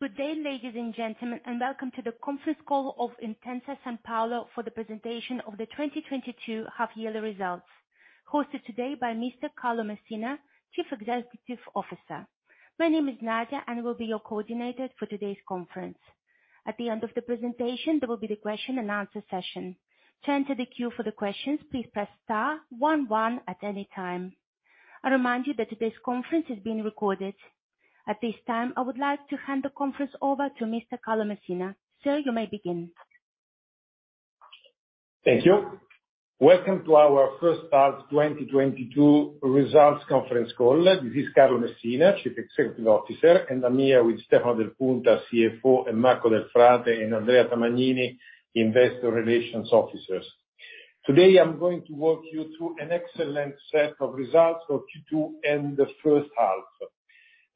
Good day, ladies and gentlemen, and welcome to the conference call of Intesa Sanpaolo for the presentation of the 2022 half yearly results, hosted today by Mr. Carlo Messina, Chief Executive Officer. My name is Nadia, and I will be your coordinator for today's conference. At the end of the presentation, there will be the question-and-answer session. To enter the queue for the questions, please press star one one at any time. I remind you that today's conference is being recorded. At this time, I would like to hand the conference over to Mr. Carlo Messina. Sir, you may begin. Thank you. Welcome to our first half 2022 results conference call. This is Carlo Messina, Chief Executive Officer, and I'm here with Stefano Del Punta, CFO, and Marco Delfrate and Andrea Tamagnini, Investor Relations Officers. Today, I'm going to walk you through an excellent set of results for Q2 and the first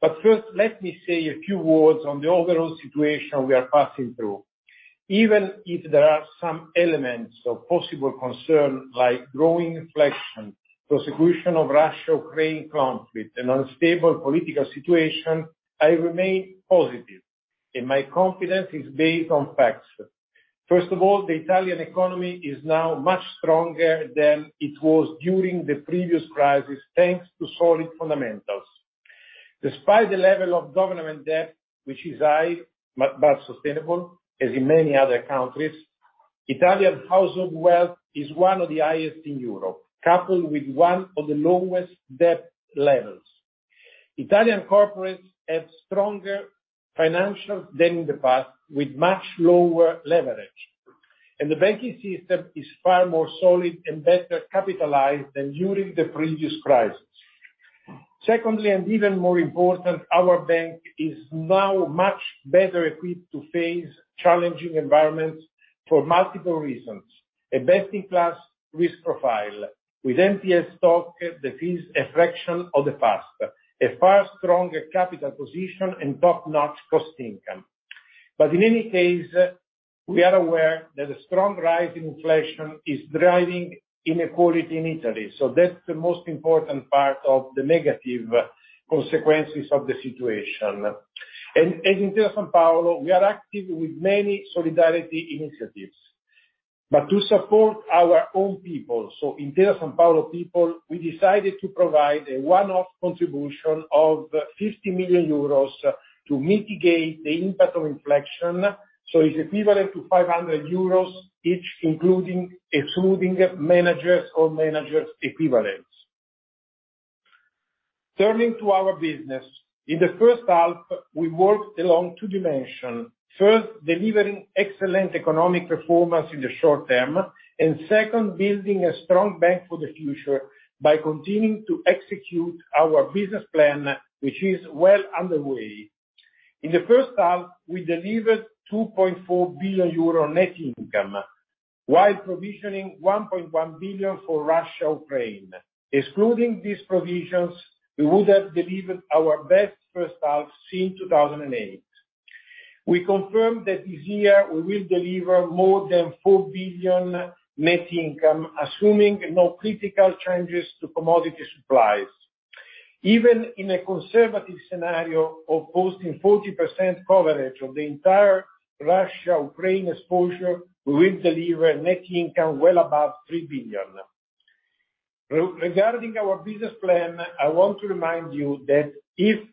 half. First, let me say a few words on the overall situation we are passing through. Even if there are some elements of possible concern, like growing inflation, prosecution of Russia-Ukraine conflict, and unstable political situation, I remain positive, and my confidence is based on facts. First of all, the Italian economy is now much stronger than it was during the previous crisis, thanks to solid fundamentals. Despite the level of government debt, which is high but sustainable, as in many other countries, Italian household wealth is one of the highest in Europe, coupled with one of the lowest debt levels. Italian corporates have stronger financials than in the past, with much lower leverage. The banking system is far more solid and better capitalized than during the previous crisis. Secondly, and even more important, our bank is now much better equipped to face challenging environments for multiple reasons. A best-in-class risk profile with NPL stock that is a fraction of the past. A far stronger capital position and top-notch cost income. In any case, we are aware that a strong rise in inflation is driving inequality in Italy, so that's the most important part of the negative consequences of the situation. In Intesa Sanpaolo, we are active with many solidarity initiatives. To support our own people, so Intesa Sanpaolo people, we decided to provide a one-off contribution of 50 million euros to mitigate the impact of inflation, so it's equivalent to 500 euros each including, excluding managers or managers equivalents. Turning to our business. In the first half, we worked along two dimension. First, delivering excellent economic performance in the short term. Second, building a strong bank for the future by continuing to execute our business plan, which is well underway. In the first half, we delivered 2.4 billion euro net income while provisioning 1.1 billion for Russia-Ukraine. Excluding these provisions, we would have delivered our best first half since 2008. We confirm that this year we will deliver more than 4 billion net income, assuming no critical changes to commodity supplies. Even in a conservative scenario of posting 40% coverage of the entire Russia-Ukraine exposure, we will deliver net income well above 3 billion. Regarding our business plan, I want to remind you that it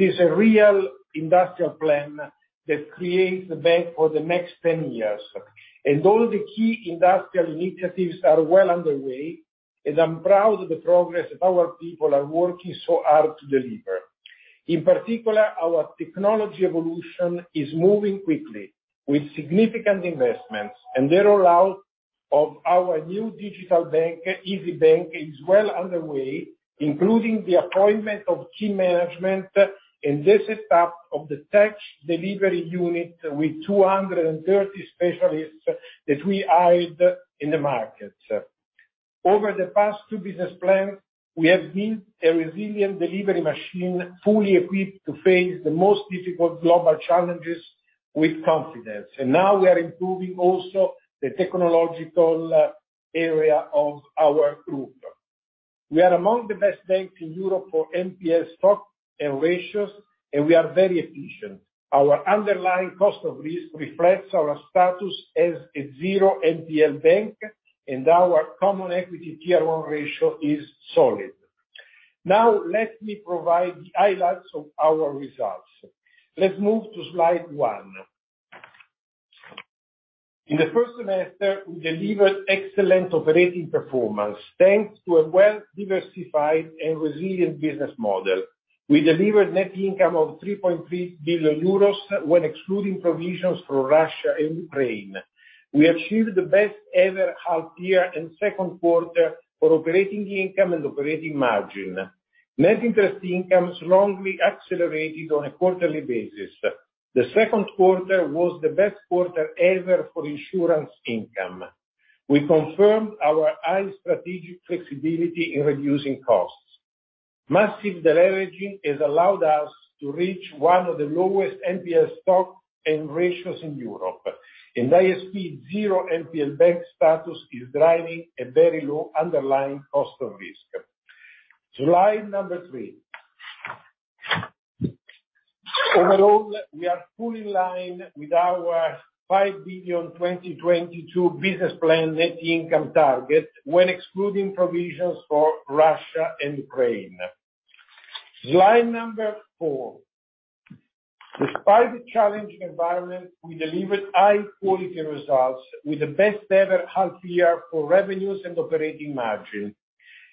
is a real industrial plan that creates the bank for the next 10 years. All the key industrial initiatives are well underway, and I'm proud of the progress that our people are working so hard to deliver. In particular, our technology evolution is moving quickly with significant investments. The rollout of our new digital bank, Isybank, is well underway, including the appointment of key management and the set up of the tech delivery unit with 230 specialists that we hired in the market. Over the past two business plans, we have been a resilient delivery machine, fully equipped to face the most difficult global challenges with confidence. Now we are improving also the technological area of our group. We are among the best banks in Europe for NPL stock and ratios, and we are very efficient. Our underlying cost of risk reflects our status as a zero NPL bank, and our Common Equity Tier 1 ratio is solid. Now let me provide the highlights of our results. Let's move to slide one. In the first semester, we delivered excellent operating performance, thanks to a well-diversified and resilient business model. We delivered net income of 3.3 billion euros when excluding provisions for Russia and Ukraine. We achieved the best ever half year and second quarter for operating income and operating margin. Net interest income strongly accelerated on a quarterly basis. The second quarter was the best quarter ever for insurance income. We confirmed our high strategic flexibility in reducing costs. Massive deleveraging has allowed us to reach one of the lowest NPL stock and ratios in Europe. ISP zero NPL bank status is driving a very low underlying cost of risk. Slide number three. Overall, we are fully in line with our 5 billion 2022 business plan net income target when excluding provisions for Russia and Ukraine. Slide number four. Despite the challenging environment, we delivered high-quality results with the best ever half year for revenues and operating margin.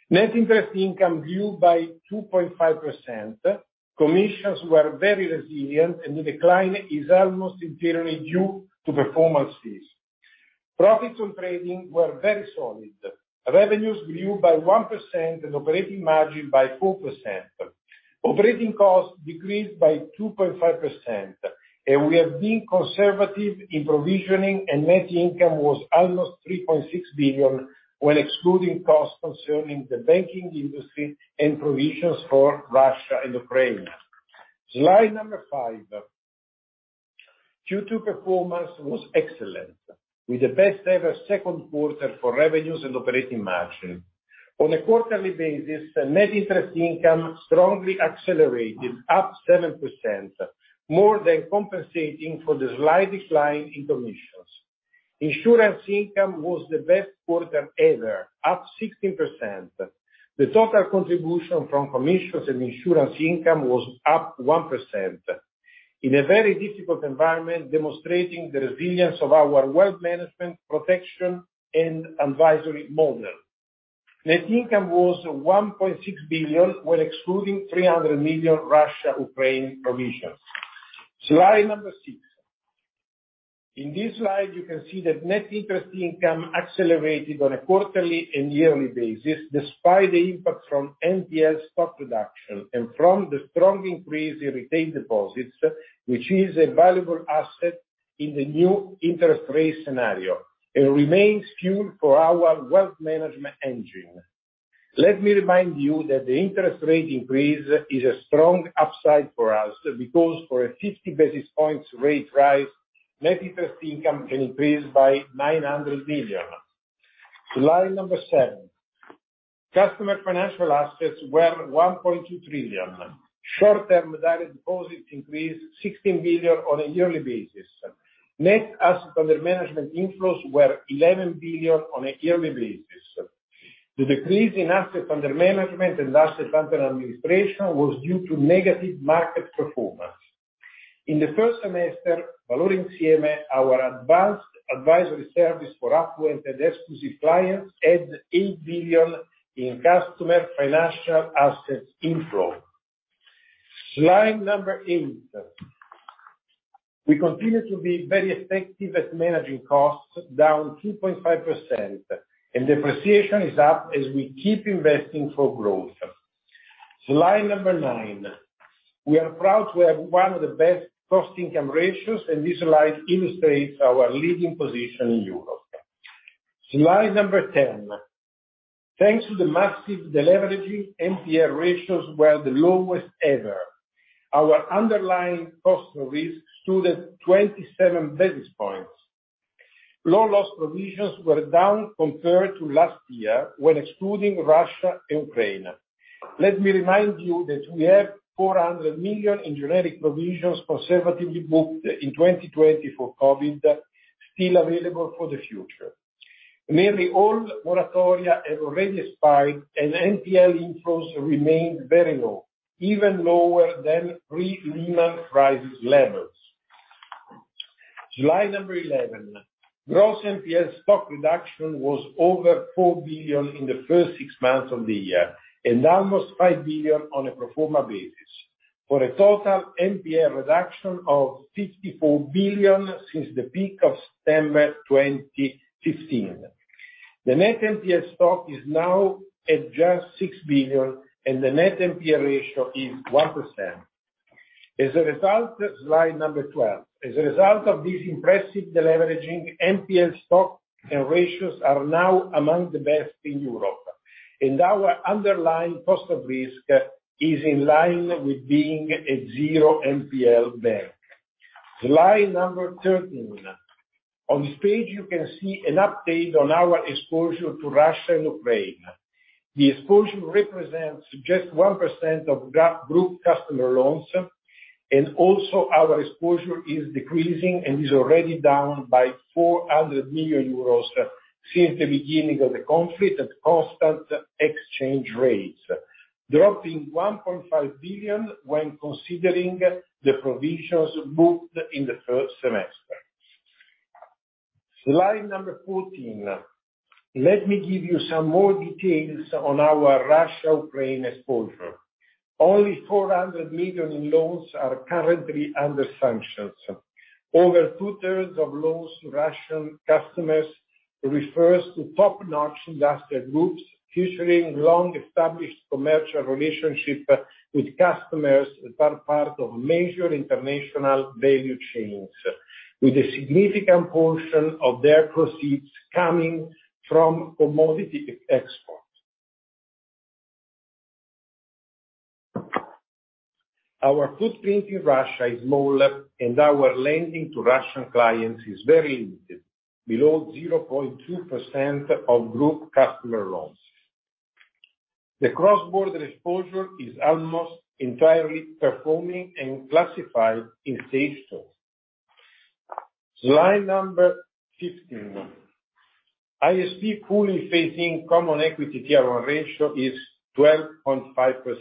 Net interest income grew by 2.5%. Commissions were very resilient, and the decline is almost entirely due to performances. Profits on trading were very solid. Revenues grew by 1% and operating margin by 4%. Operating costs decreased by 2.5%. We are being conservative in provisioning, and net income was almost 3.6 billion when excluding costs concerning the banking industry and provisions for Russia and Ukraine. Slide number five. Q2 performance was excellent, with the best ever second quarter for revenues and operating margin. On a quarterly basis, net interest income strongly accelerated up 7%, more than compensating for the slight decline in commissions. Insurance income was the best quarter ever, up 16%. The total contribution from commissions and insurance income was up 1%. In a very difficult environment, demonstrating the resilience of our wealth management protection and advisory model. Net income was 1.6 billion, when excluding 300 million Russia-Ukraine provisions. Slide number six. In this slide, you can see that net interest income accelerated on a quarterly and yearly basis, despite the impact from NPL stock reduction and from the strong increase in retained deposits, which is a valuable asset in the new interest rate scenario, and remains fuel for our wealth management engine. Let me remind you that the interest rate increase is a strong upside for us, because for a 50 basis points rate rise, net interest income can increase by 900 million. Slide number seven. Customer financial assets were 1.2 trillion. Short-term direct deposits increased 16 billion on a yearly basis. Net asset under management inflows were 11 billion on a yearly basis. The decrease in asset under management and asset under administration was due to negative market performance. In the first semester, Valore Insieme, our advanced advisory service for affluent and exclusive clients, had 8 billion in customer financial assets inflow. Slide number eight. We continue to be very effective at managing costs, down 2.5%, and depreciation is up as we keep investing for growth. Slide number nine. We are proud to have one of the best cost-income ratios, and this slide illustrates our leading position in Europe. Slide number 10. Thanks to the massive deleveraging, NPL ratios were the lowest ever. Our underlying cost risk stood at 27 basis points. Loan loss provisions were down compared to last year when excluding Russia-Ukraine. Let me remind you that we have 400 million in generic provisions conservatively booked in 2020 for COVID still available for the future. Nearly all moratoria have already expired, and NPL inflows remain very low, even lower than pre-Lehman crisis levels. Slide number 11. Gross NPL stock reduction was over 4 billion in the first six months of the year and almost 5 billion on a pro forma basis. For a total NPL reduction of 54 billion since the peak of September 2015. The net NPL stock is now at just 6 billion, and the net NPL ratio is 1%. As a result of this impressive deleveraging, NPL stock and ratios are now among the best in Europe, and our underlying cost of risk is in line with being a zero NPL bank. Slide number 13. On stage, you can see an update on our exposure to Russia-Ukraine. The exposure represents just 1% of group customer loans, and also our exposure is decreasing and is already down by 400 million euros since the beginning of the conflict at constant exchange rates, dropping 1.5 billion when considering the provisions booked in the first semester. Slide number 14. Let me give you some more details on our Russia-Ukraine exposure. Only 400 million in loans are currently under sanctions. Over 2/3 of loans to Russian customers refers to top-notch industrial groups featuring long-established commercial relationship with customers that are part of major international value chains, with a significant portion of their proceeds coming from commodity export. Our footprint in Russia is small, and our lending to Russian clients is very limited, below 0.2% of group customer loans. The cross-border exposure is almost entirely performing and classified in safe stores. Slide number 15. ISP fully facing Common Equity Tier 1 ratio is 12.5%.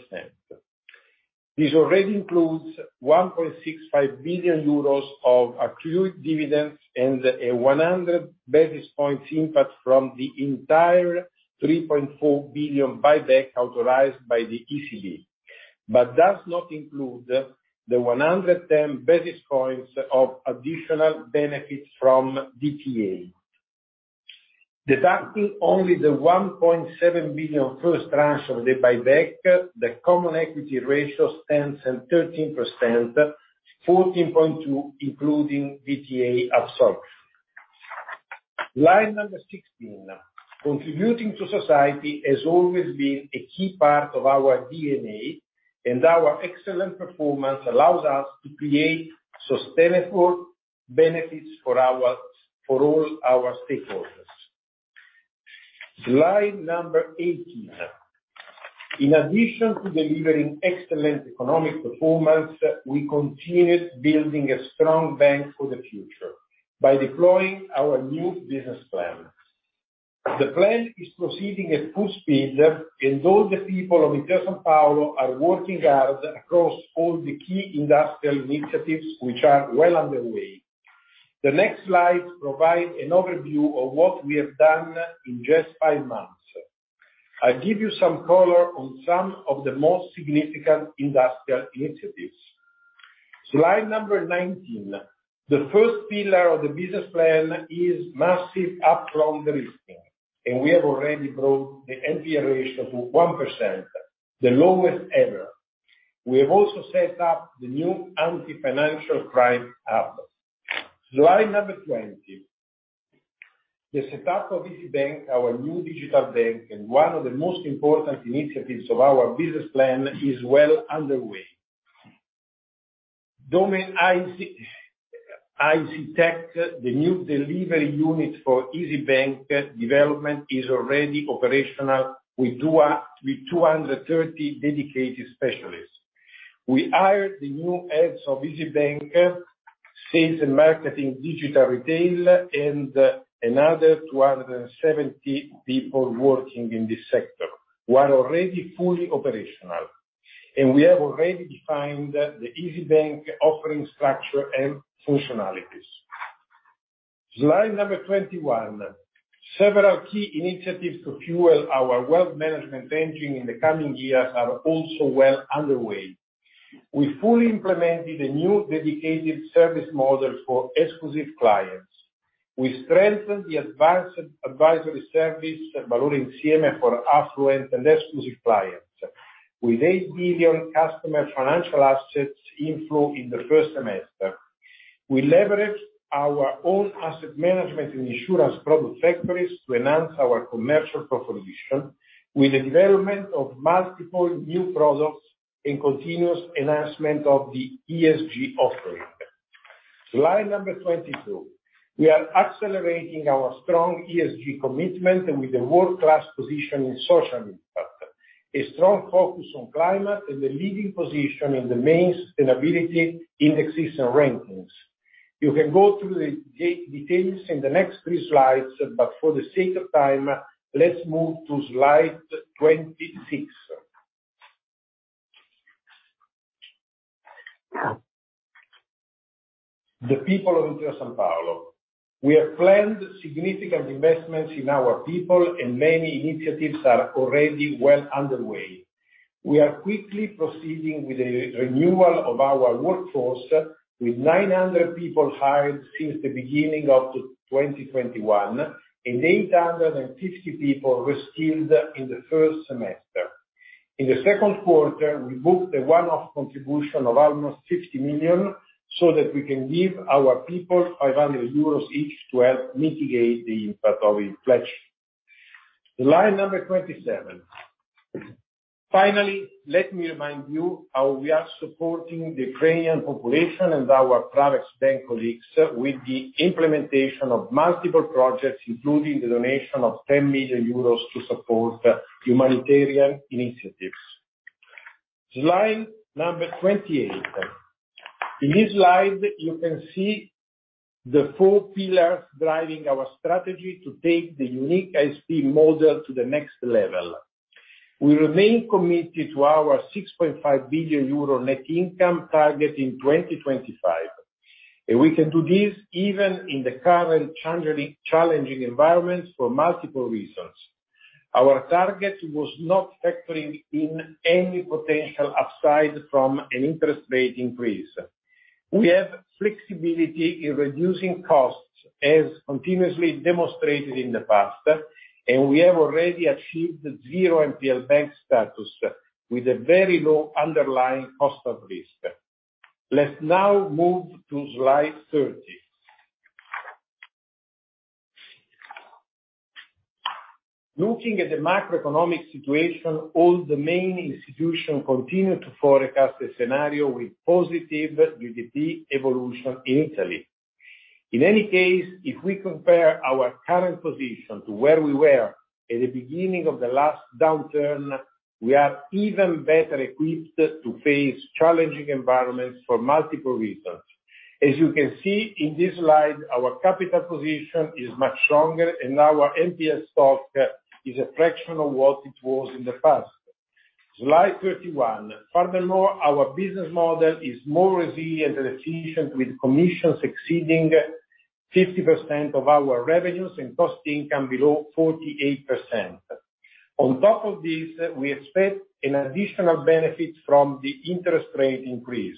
This already includes 1.65 billion euros of accrued dividends and a 100 basis points impact from the entire 3.4 billion buyback authorized by the ECB. Does not include the 110 basis points of additional benefits from DTA. Deducting only the 1.7 billion first tranche of the buyback, the Common Equity ratio stands at 13%, 14.2% including DTA absorbed. Slide number 16. Contributing to society has always been a key part of our DNA, and our excellent performance allows us to create sustainable benefits for all our stakeholders. Slide number 18. In addition to delivering excellent economic performance, we continued building a strong bank for the future by deploying our new business plan. The plan is proceeding at full speed, and all the people of Intesa Sanpaolo are working hard across all the key industrial initiatives, which are well underway. The next slides provide an overview of what we have done in just five months. I'll give you some color on some of the most significant industrial initiatives. Slide number 19. The first pillar of the business plan is massive upfront de-risking, and we have already brought the NPE ratio to 1%, the lowest ever. We have also set up the new Anti-Financial Crime Hub. Slide number 20. The setup of Isybank, our new digital bank and one of the most important initiatives of our business plan, is well underway. Isybank Tech, the new delivery unit for Isybank development, is already operational with 230 dedicated specialists. We hired the new heads of Isybank sales and marketing, digital retail and another 270 people working in this sector, who are already fully operational. We have already defined the Isybank offering structure and functionalities. Slide number 21. Several key initiatives to fuel our wealth management engine in the coming years are also well underway. We fully implemented a new dedicated service model for exclusive clients. We strengthened the advanced advisory service, Valore Insieme for affluent and exclusive clients. With 8 billion customer financial assets inflow in the first semester, we leveraged our own asset management and insurance product factories to enhance our commercial proposition with the development of multiple new products and continuous enhancement of the ESG offering. Slide number 22. We are accelerating our strong ESG commitment and with a world-class position in social impact, a strong focus on climate and a leading position in the main sustainability indexes and rankings. You can go through the details in the next three slides, but for the sake of time, let's move to slide 26. The people of Intesa Sanpaolo. We have planned significant investments in our people, and many initiatives are already well underway. We are quickly proceeding with the renewal of our workforce, with 900 people hired since the beginning of 2021 and 850 people reskilled in the first semester. In the second quarter, we booked a one-off contribution of almost 60 million so that we can give our people 500 euros each to help mitigate the impact of inflation. Slide number 27. Finally, let me remind you how we are supporting the Ukrainian population and our private bank colleagues with the implementation of multiple projects, including the donation of 10 million euros to support humanitarian initiatives. Slide number 28. In this slide, you can see the four pillars driving our strategy to take the unique ISP model to the next level. We remain committed to our 6.5 billion euro net income target in 2025, and we can do this even in the current challenging environments for multiple reasons. Our target was not factoring in any potential upside from an interest rate increase. We have flexibility in reducing costs, as continuously demonstrated in the past, and we have already achieved zero NPL bank status with a very low underlying cost of risk. Let's now move to slide 30. Looking at the macroeconomic situation, all the main institutions continue to forecast a scenario with positive GDP evolution in Italy. In any case, if we compare our current position to where we were at the beginning of the last downturn, we are even better equipped to face challenging environments for multiple reasons. As you can see in this slide, our capital position is much stronger, and our NPL stock is a fraction of what it was in the past. Slide 31. Furthermore, our business model is more resilient and efficient, with commissions exceeding 50% of our revenues and cost income below 48%. On top of this, we expect an additional benefit from the interest rate increase.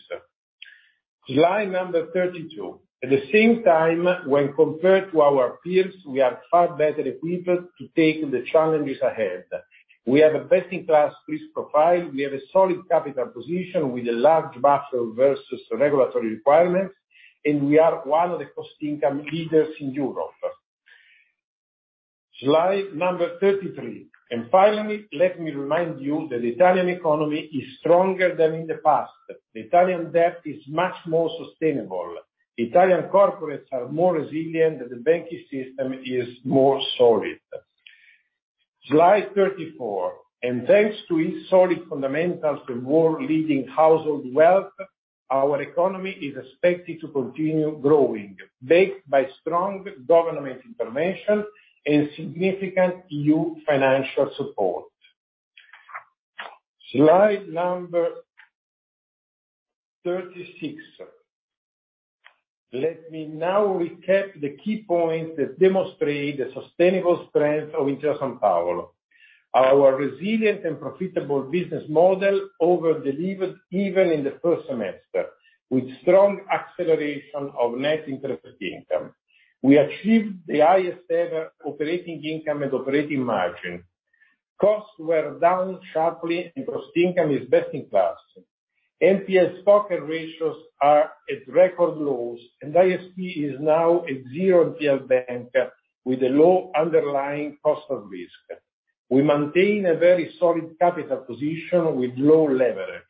Slide number 32. At the same time, when compared to our peers, we are far better equipped to take the challenges ahead. We have a best-in-class risk profile, we have a solid capital position with a large buffer versus regulatory requirements, and we are one of the cost income leaders in Europe. Slide number 33. And finally, let me remind you that Italian economy is stronger than in the past. The Italian debt is much more sustainable. Italian corporates are more resilient, and the banking system is more solid. Slide 34. And thanks to its solid fundamentals and world-leading household wealth, our economy is expected to continue growing, backed by strong government intervention and significant EU financial support. Slide number 36. Let me now recap the key points that demonstrate the sustainable strength of Intesa Sanpaolo. Our resilient and profitable business model over-delivered even in the first semester, with strong acceleration of net interest income. We achieved the highest ever operating income and operating margin. Costs were down sharply, and cost/income is best in class. NPL stock ratios are at record lows, and ISP is now a zero NPL bank with a low underlying cost of risk. We maintain a very solid capital position with low leverage.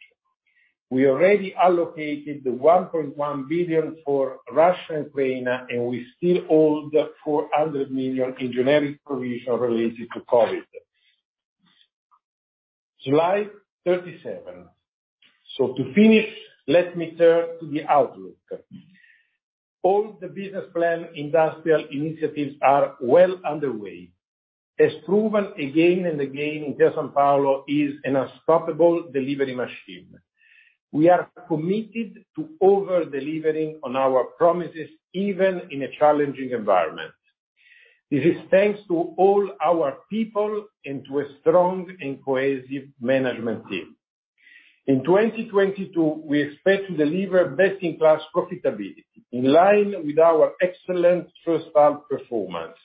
We already allocated 1.1 billion for Russia-Ukraine, and we still hold 400 million in generic provision related to COVID. Slide 37. To finish, let me turn to the outlook. All the business plan industrial initiatives are well underway. As proven again and again, Intesa Sanpaolo is an unstoppable delivery machine. We are committed to over-delivering on our promises, even in a challenging environment. This is thanks to all our people and to a strong and cohesive management team. In 2022, we expect to deliver best-in-class profitability, in line with our excellent first half performance.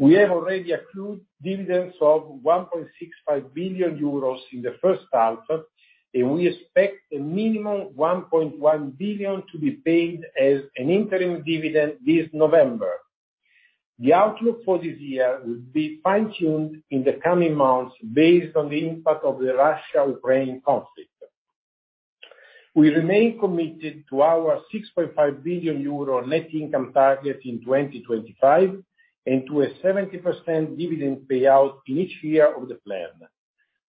We have already accrued dividends of 1.65 billion euros in the first half, and we expect a minimum 1.1 billion to be paid as an interim dividend this November. The outlook for this year will be fine-tuned in the coming months based on the impact of the Russia-Ukraine conflict. We remain committed to our 6.5 billion euro net income target in 2025, and to a 70% dividend payout in each year of the plan.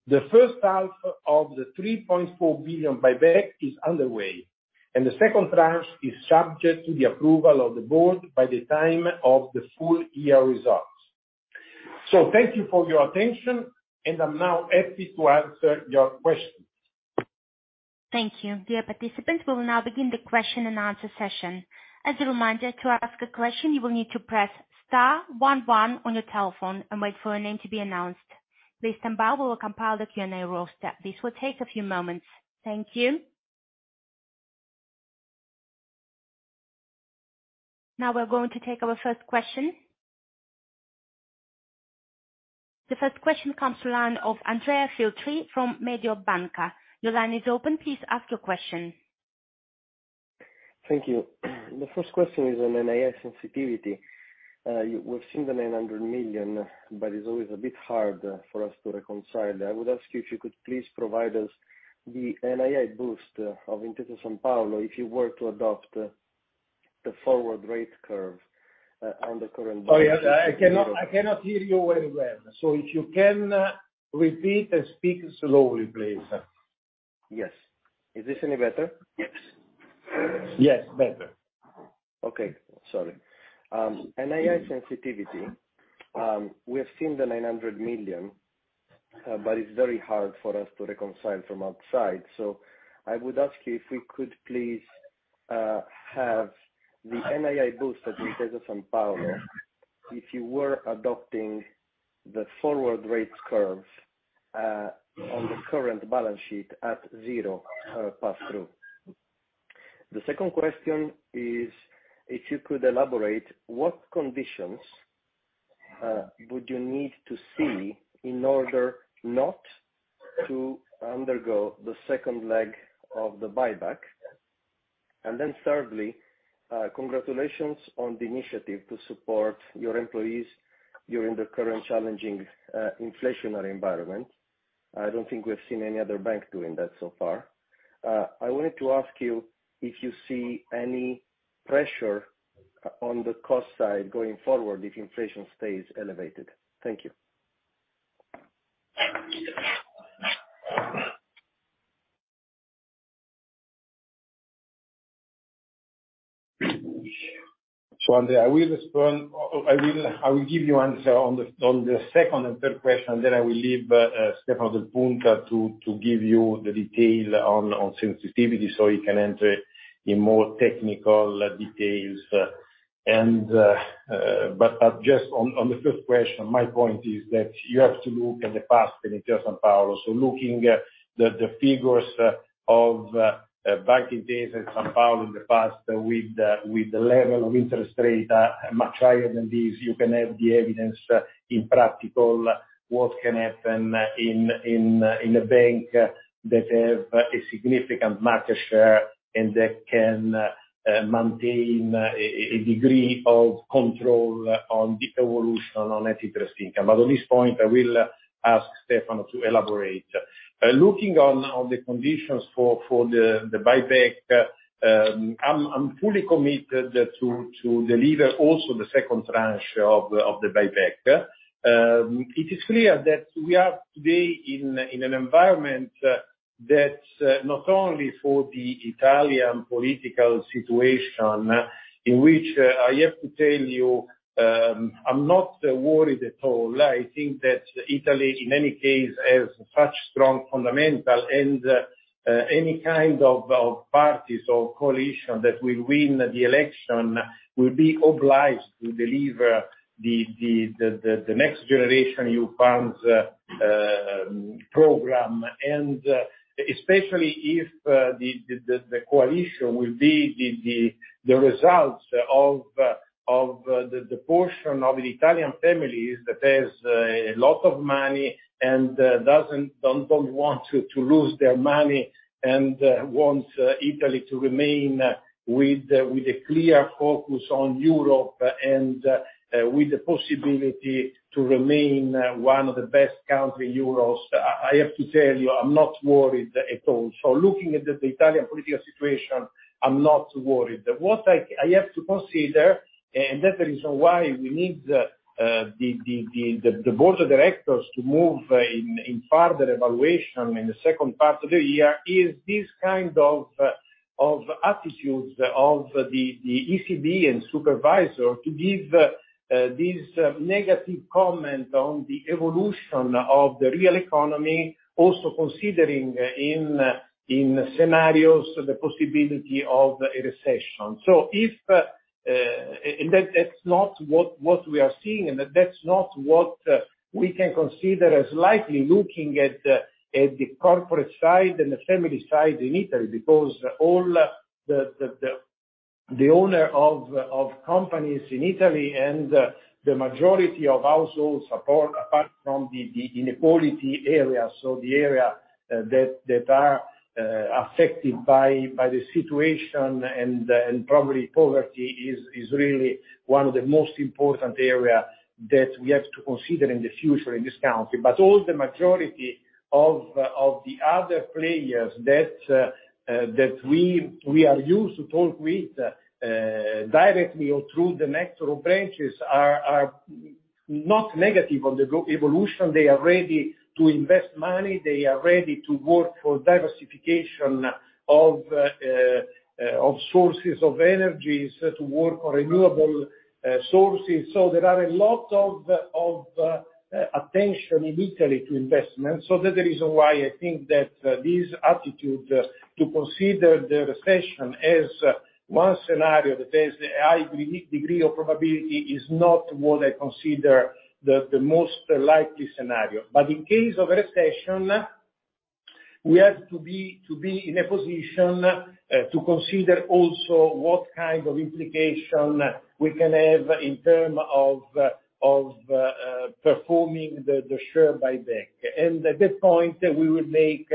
The first half of the 3.4 billion buyback is underway, and the second tranche is subject to the approval of the board by the time of the full year results. Thank you for your attention, and I'm now happy to answer your questions. Thank you. Dear participants, we'll now begin the question-and-answer session. As a reminder, to ask a question, you will need to press star one one on your telephone and wait for a name to be announced. Please stand by. We will compile the Q&A roster. This will take a few moments. Thank you. Now we're going to take our first question. The first question comes from the line of Andrea Filtri from Mediobanca. Your line is open. Please ask your question. Thank you. The first question is on NII sensitivity. We've seen the 900 million, but it's always a bit hard for us to reconcile. I would ask you if you could please provide us the NII boost of Intesa Sanpaolo if you were to adopt the forward rate curve on the current- Oh, yeah, I cannot hear you very well. If you can repeat and speak slowly, please. Yes. Is this any better? Yes. Yes, better. Okay, sorry. NII sensitivity, we have seen 900 million, but it's very hard for us to reconcile from outside. I would ask you if we could please have the NII boost at Intesa Sanpaolo if you were adopting the forward rates curve on the current balance sheet at zero pass through. The second question is if you could elaborate what conditions would you need to see in order not to undergo the second leg of the buyback? Thirdly, congratulations on the initiative to support your employees during the current challenging inflationary environment. I don't think we've seen any other bank doing that so far. I wanted to ask you if you see any pressure on the cost side going forward if inflation stays elevated. Thank you. Andrea, I will respond. I will give you an answer on the second and third question. Then I will leave Stefano Del Punta to give you the details on sensitivity so he can enter into more technical details. But just on the first question, my point is that you have to look at the past Intesa Sanpaolo. Looking at the figures of back in the days at Sanpaolo in the past with the level of interest rates much higher than this, you can have the evidence in practice what can happen in a bank that has a significant market share, and that can maintain a degree of control on the evolution of net interest income. On this point, I will ask Stefano to elaborate. Looking on the conditions for the buyback, I'm fully committed to deliver also the second tranche of the buyback. It is clear that we are today in an environment that not only for the Italian political situation, in which I have to tell you, I'm not worried at all. I think that Italy, in any case, has such strong fundamental and any kind of parties or coalition that will win the election will be obliged to deliver the NextGenerationEU funds program. Especially if the coalition will be the results of the portion of the Italian families that has a lot of money and don't want to lose their money and wants Italy to remain with a clear focus on Europe and with the possibility to remain one of the best country in euros. I have to tell you, I'm not worried at all. Looking at the Italian political situation, I'm not worried. What I have to consider, and that's the reason why we need the board of directors to move in further evaluation in the second part of the year, is this kind of attitudes of the ECB and supervisor to give this negative comment on the evolution of the real economy, also considering in scenarios the possibility of a recession. If and that's not what we are seeing, and that's not what we can consider as likely looking at the corporate side and the family side in Italy. Because all the owners of companies in Italy and the majority of households apart from the inequality area, so the area that are affected by the situation and probably poverty is really one of the most important area that we have to consider in the future in this country. The majority of the other players that we are used to talk with directly or through the network branches are not negative on the evolution. They are ready to invest money. They are ready to work for diversification of sources of energy, to work on renewable sources. There are a lot of attention in Italy to investment. That's the reason why I think that this attitude to consider the recession as one scenario that has a high degree of probability is not what I consider the most likely scenario. In case of a recession, we have to be in a position to consider also what kind of implications we can have in terms of performing the share buyback. At that point, we would make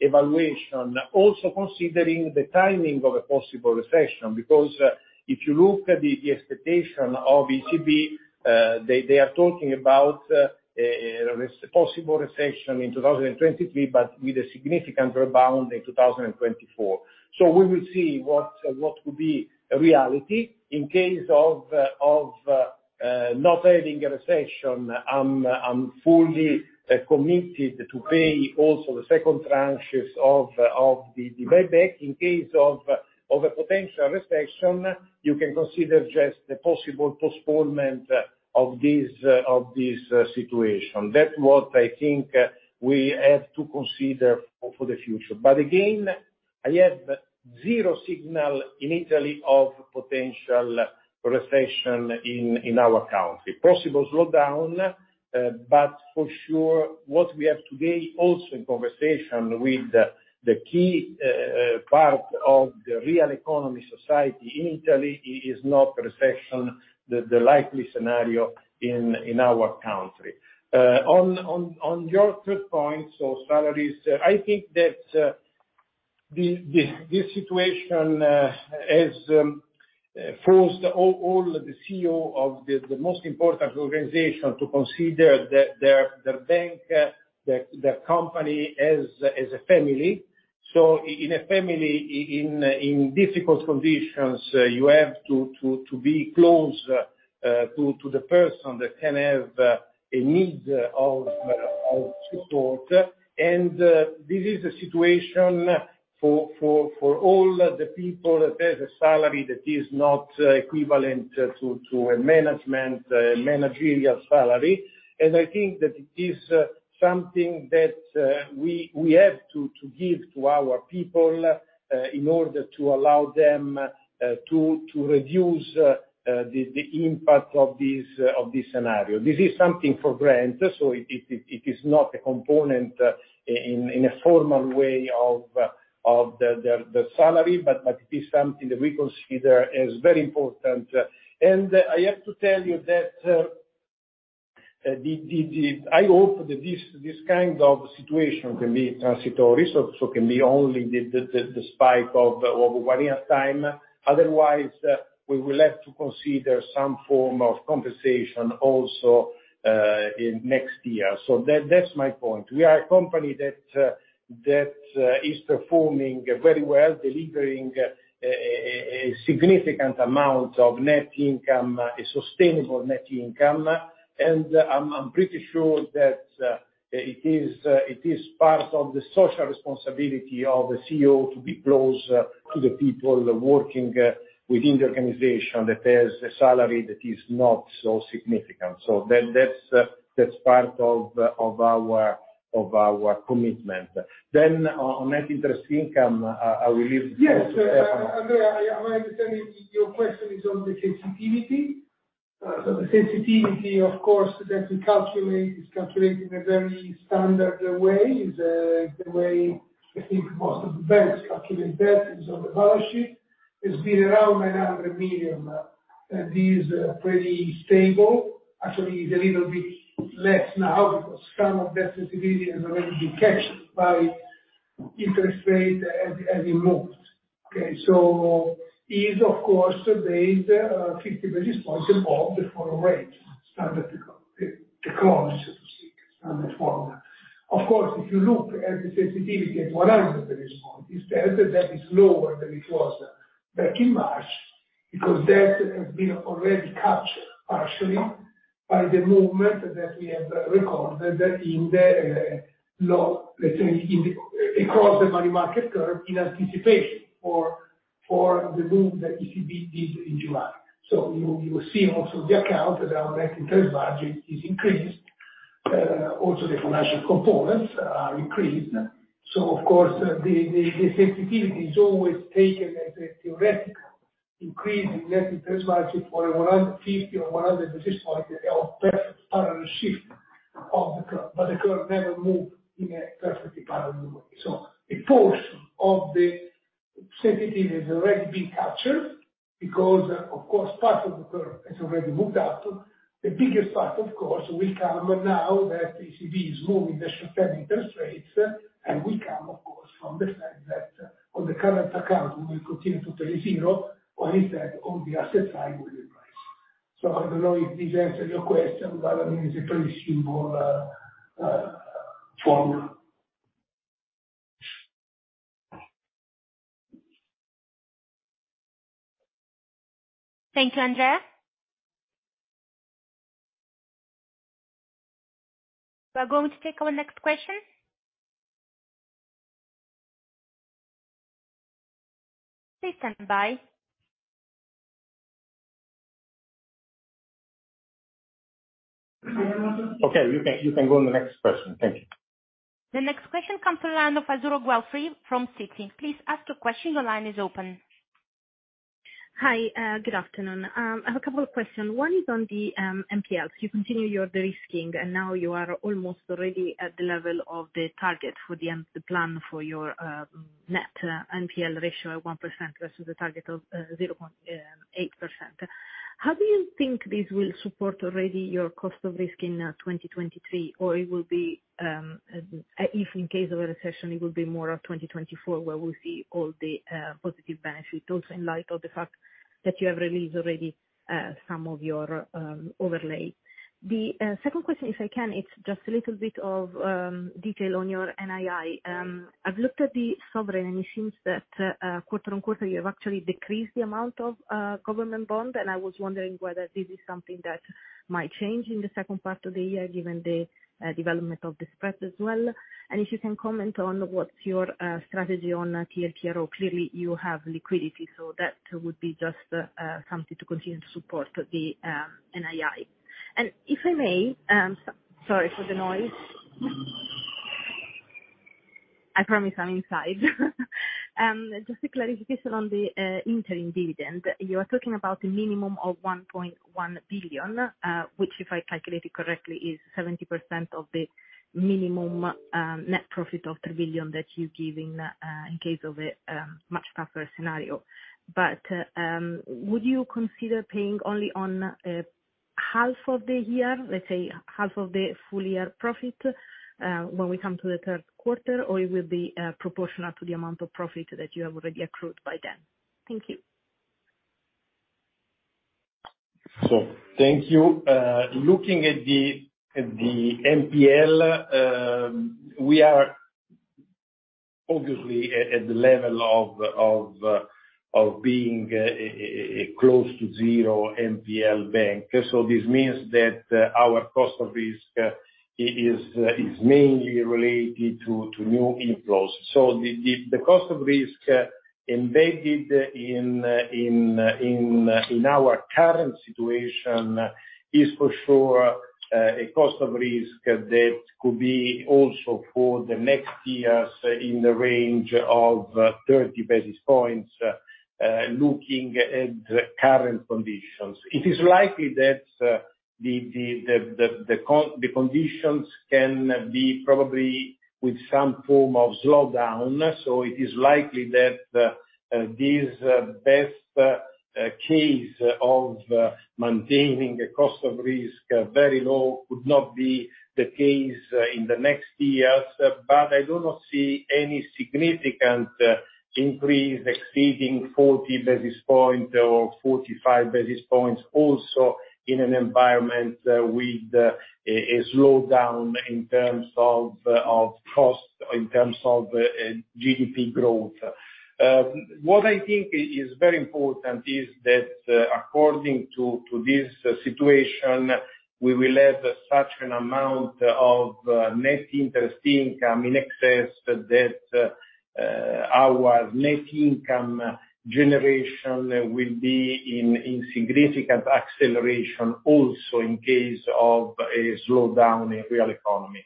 evaluations also considering the timing of a possible recession. If you look at the expectations of the ECB, they are talking about a possible recession in 2023, but with a significant rebound in 2024. We will see what will be reality. In case of not having a recession, I'm fully committed to pay also the second tranches of the buyback. In case of a potential recession, you can consider just the possible postponement of this situation. That's what I think we have to consider for the future. Again, I have zero signal in Italy of potential recession in our country. Possible slowdown, but for sure what we have today also in conversation with the key part of the real economy society in Italy is not recession, the likely scenario in our country. On your third point, so salaries, I think that this situation has forced all the CEOs of the most important organizations to consider their bank, their company as a family. In a family, in difficult conditions, you have to be close to the person that can have a need of support. This is a situation for all the people that has a salary that is not equivalent to a managerial salary. I think that it is something that we have to give to our people in order to allow them to reduce the impact of this scenario. This is something for granted, so it is not a component in a formal way of the salary but it is something that we consider as very important. I have to tell you that I hope that this kind of situation can be transitory, so can be only the spike of one year time. Otherwise, we will have to consider some form of compensation also in next year. That's my point. We are a company that is performing very well, delivering a significant amount of net income, a sustainable net income. I'm pretty sure that it is part of the social responsibility of a CEO to be close to the people working within the organization that has a salary that is not so significant. That's part of our commitment. On net interest income, I will leave it to Stefano. Yes. Andrea, I understand that your question is on the sensitivity. The sensitivity of course that we calculate is calculated in a very standard way, is the way I think most of the banks calculate that is on the balance sheet. It's been around 900 million. This is pretty stable. Actually it's a little bit less now because some of that sensitivity has already been captured by interest rate as it moved. Okay. It is of course the 50 basis points above the forward rate standard curve, so to speak, standard formula. Of course, if you look at the sensitivity at 100 basis points instead, that is lower than it was back in March, because that has been already captured partially by the movement that we have recorded in the low, let's say, across the money market curve in anticipation for the move that ECB did in July. You will see also the fact that our net interest margin is increased. Also the financial components are increased. Of course the sensitivity is always taken as a theoretical increase in net interest margin for 150 or 100 basis points of perfect parallel shift of the curve, but the curve never moved in a perfectly parallel way. A portion of the sensitivity has already been captured because, of course, part of the curve has already moved up. The biggest part, of course, will come now that ECB is moving the short-term interest rates, and will come of course from the fact that on the current account we will continue to pay zero, while instead on the asset side will increase. I don't know if this answers your question, but I mean, it's a pretty simple formula. Thank you, Andrea. We are going to take our next question. Please stand by. Okay. You can go on the next question. Thank you. The next question comes from the line of Azzurra Guelfi from Citi. Please ask your question. Your line is open. Hi, good afternoon. I have a couple of questions. One is on the NPLs. You continue your de-risking, and now you are almost already at the level of the target for the end, the plan for your net NPL ratio at 1% versus the target of 0.8%. How do you think this will support already your cost of risk in 2023 or it will be if in case of a recession it will be more of 2024, where we'll see all the positive benefit, also in light of the fact that you have released already some of your overlay. The second question, if I can, it's just a little bit of detail on your NII. I've looked at the sovereign, and it seems that quarter-on-quarter you have actually decreased the amount of government bond, and I was wondering whether this is something that might change in the second part of the year, given the development of the spread as well. If you can comment on what's your strategy on TLTRO. Clearly you have liquidity, so that would be just something to continue to support the NII. If I may, sorry for the noise. I promise I'm inside. Just a clarification on the interim dividend. You are talking about a minimum of 1.1 billion, which if I calculate it correctly, is 70% of the minimum net profit of 3 billion that you give in case of a much tougher scenario. Would you consider paying only on half of the year, let's say half of the full year profit, when we come to the third quarter or it will be proportional to the amount of profit that you have already accrued by then? Thank you. Thank you. Looking at the NPL, we are obviously at the level of being a close to zero NPL bank. This means that our cost of risk is mainly related to new inflows. The cost of risk embedded in our current situation is for sure a cost of risk that could be also for the next years in the range of 30 basis points looking at the current conditions. It is likely that the conditions can be probably with some form of slowdown. It is likely that this best case of maintaining a cost of risk very low could not be the case in the next years. I do not see any significant increase exceeding 40 basis points or 45 basis points also in an environment with a slowdown in terms of GDP growth. What I think is very important is that according to this situation, we will have such an amount of net interest income in excess that our net income generation will be in significant acceleration also in case of a slowdown in real economy.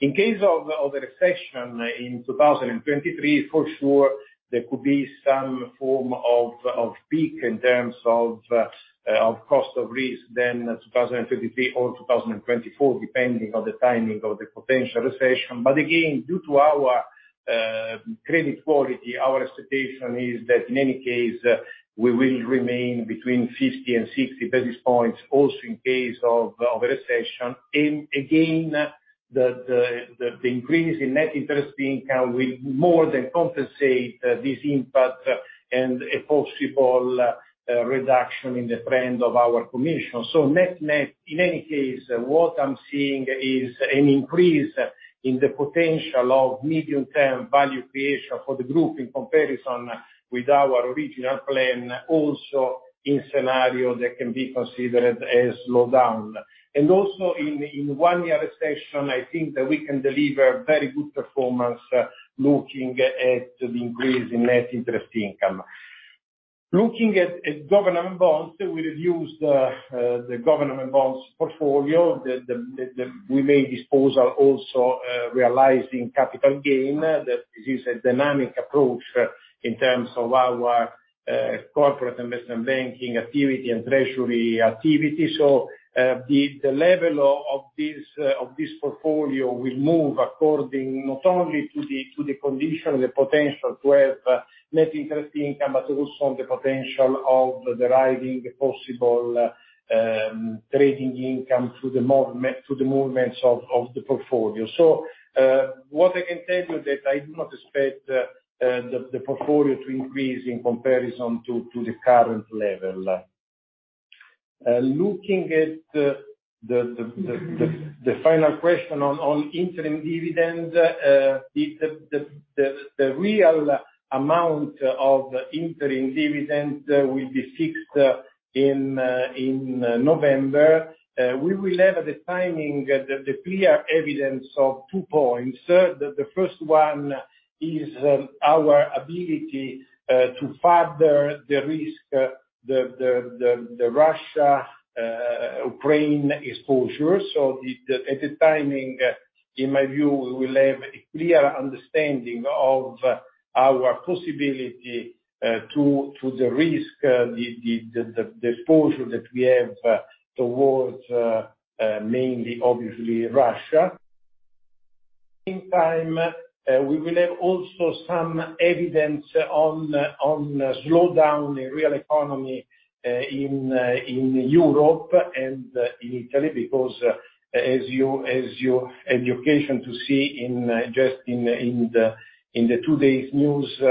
In case of a recession in 2023, for sure there could be some form of peak in terms of cost of risk in 2023 or 2024, depending on the timing of the potential recession. Again, due to our credit quality, our expectation is that in any case, we will remain between 50 and 60 basis points also in case of a recession. Again, the increase in net interest income will more than compensate this impact and a possible reduction in the trend of our commission. Net-net, in any case, what I'm seeing is an increase in the potential of medium-term value creation for the group in comparison with our original plan also in scenario that can be considered as slowdown. Also in one-year recession, I think that we can deliver very good performance looking at the increase in net interest income. Looking at government bonds, we reduced the government bonds portfolio. We made disposal also, realizing capital gain. That this is a dynamic approach in terms of our corporate investment banking activity and treasury activity. The level of this portfolio will move according not only to the condition, the potential to have net interest income, but also on the potential of deriving possible trading income to the movements of the portfolio. What I can tell you that I do not expect the portfolio to increase in comparison to the current level. Looking at the final question on interim dividend, the real amount of interim dividend will be fixed in November. We will have the timing, the clear evidence of two points. The first one is our ability to further de-risk the Russia-Ukraine exposure. At that time, in my view, we will have a clear understanding of our possibility to de-risk the exposure that we have towards mainly, obviously, Russia. In time, we will have also some evidence on slowdown in real economy in Europe and in Italy, because as you had occasion to see in just in today's news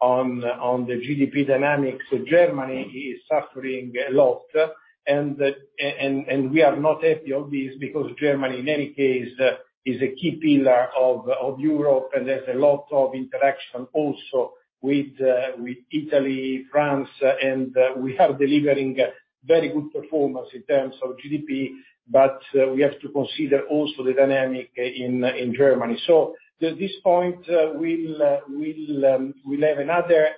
on the GDP dynamics, Germany and Italy are suffering a lot. We are not happy obviously because Germany in any case is a key pillar of Europe and there's a lot of interaction also with Italy, France and we are delivering very good performance in terms of GDP, but we have to consider also the dynamics in Germany. At this point, we'll have another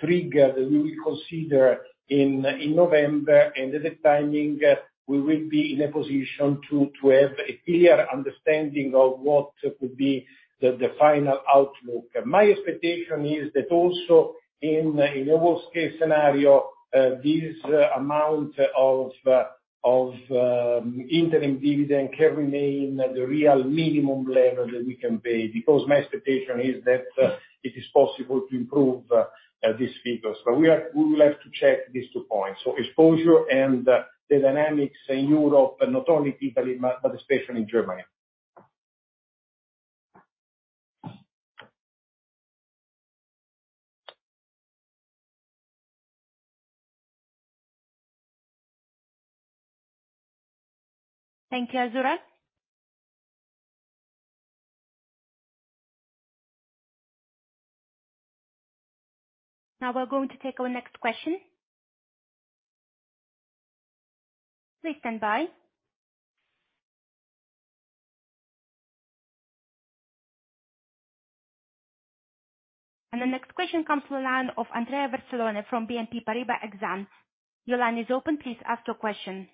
trigger that we will consider in November. At the timing, we will be in a position to have a clear understanding of what could be the final outlook. My expectation is that also in a worst case scenario this amount of interim dividend can remain the real minimum level that we can pay because my expectation is that it is possible to improve these figures. We will have to check these two points. Exposure and the dynamics in Europe, not only Italy, but especially in Germany. Thank you, Azzurra. Now we're going to take our next question. Please stand by. The next question comes to the line of Andrea Vercellone from BNP Paribas Exane. Your line is open, please ask your question.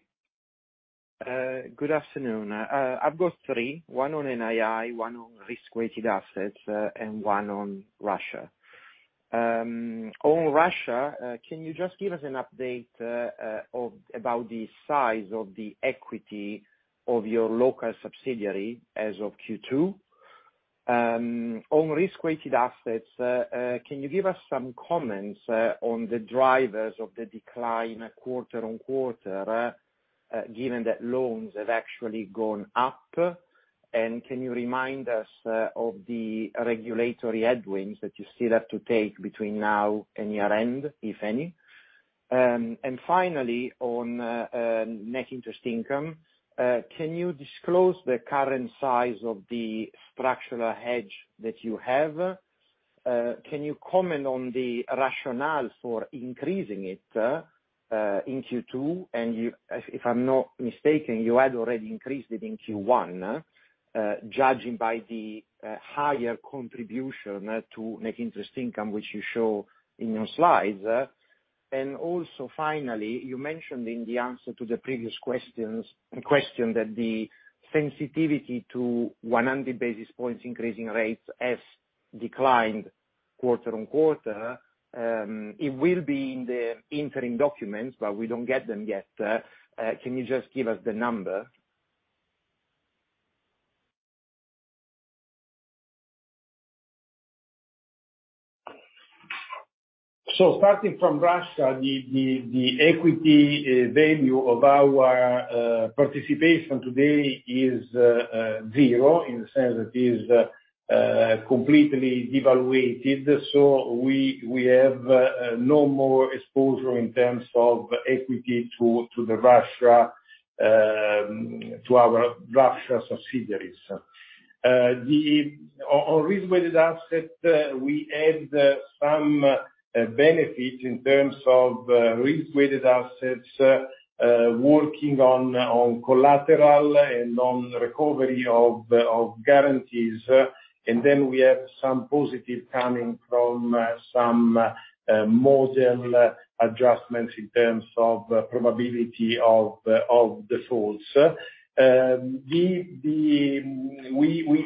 Good afternoon. I've got three, one on NII, one on risk-weighted assets, and one on Russia. On Russia, can you just give us an update about the size of the equity of your local subsidiary as of Q2? On risk-weighted assets, can you give us some comments on the drivers of the decline quarter-on-quarter, given that loans have actually gone up. Can you remind us of the regulatory headwinds that you still have to take between now and year-end, if any? Finally, on net interest income, can you disclose the current size of the structural hedge that you have? Can you comment on the rationale for increasing it in Q2? If I'm not mistaken, you had already increased it in Q1, judging by the higher contribution to net interest income, which you show in your slides. Also finally, you mentioned in the answer to the previous question that the sensitivity to 100 basis points increasing rates has declined quarter-on-quarter. It will be in the interim documents, but we don't get them yet. Can you just give us the number? Starting from Russia, the equity value of our participation today is zero, in the sense that it is completely devalued. We have no more exposure in terms of equity to the Russia, to our Russia subsidiaries. On risk-weighted assets, we had some benefit in terms of risk-weighted assets working on collateral and on recovery of guarantees. Then we have some positive coming from some model adjustments in terms of probability of defaults. We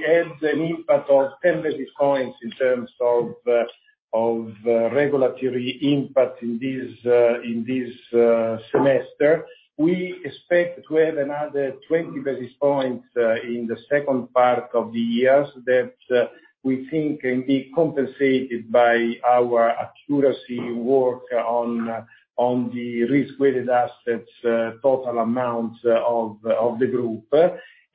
had an impact of 10 basis points in terms of regulatory impact in this semester. We expect to have another 20 basis points in the second part of the year that we think can be compensated by our accuracy work on the risk-weighted assets total amount of the group.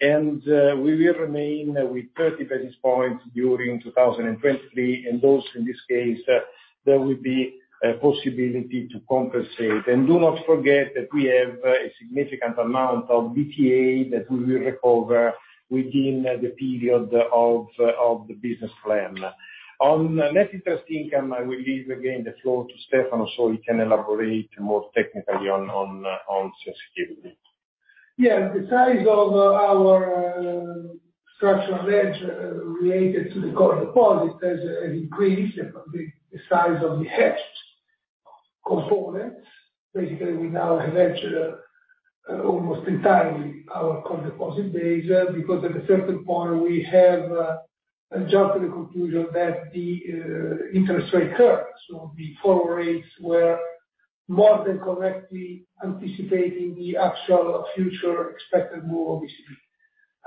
We will remain with 30 basis points during 2023, and those in this case there will be a possibility to compensate. Do not forget that we have a significant amount of DTA that we will recover within the period of the business plan. On net interest income, I will leave again the floor to Stefano so he can elaborate more technically on sensitivity. Yeah. The size of our structural hedge related to the core deposit has increased the size of the hedged components. Basically, we now hedge almost entirely our core deposit base, because at a certain point we have jumped to the conclusion that the interest rate curve, so the forward rates were more than correctly anticipating the actual future expected move obviously.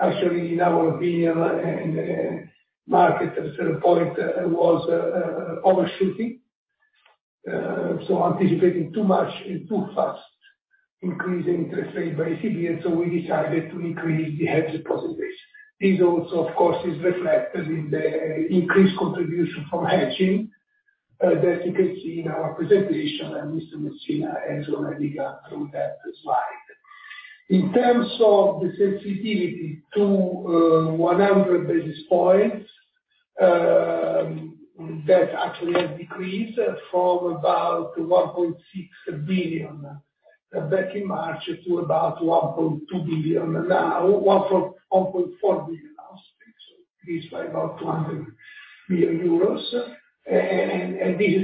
Actually, in our view and market at a certain point was overshooting, so anticipating too much and too fast increasing interest rate by ECB, and we decided to increase the hedge deposit base. This also, of course, is reflected in the increased contribution from hedging that you can see in our presentation, and Mr. Messina has already gone through that slide. In terms of the sensitivity to 100 basis points, that actually has decreased from about 1.6 billion back in March to about, 1.2 billion now, 1.4 billion now. Decreased by about 200 million euros. This is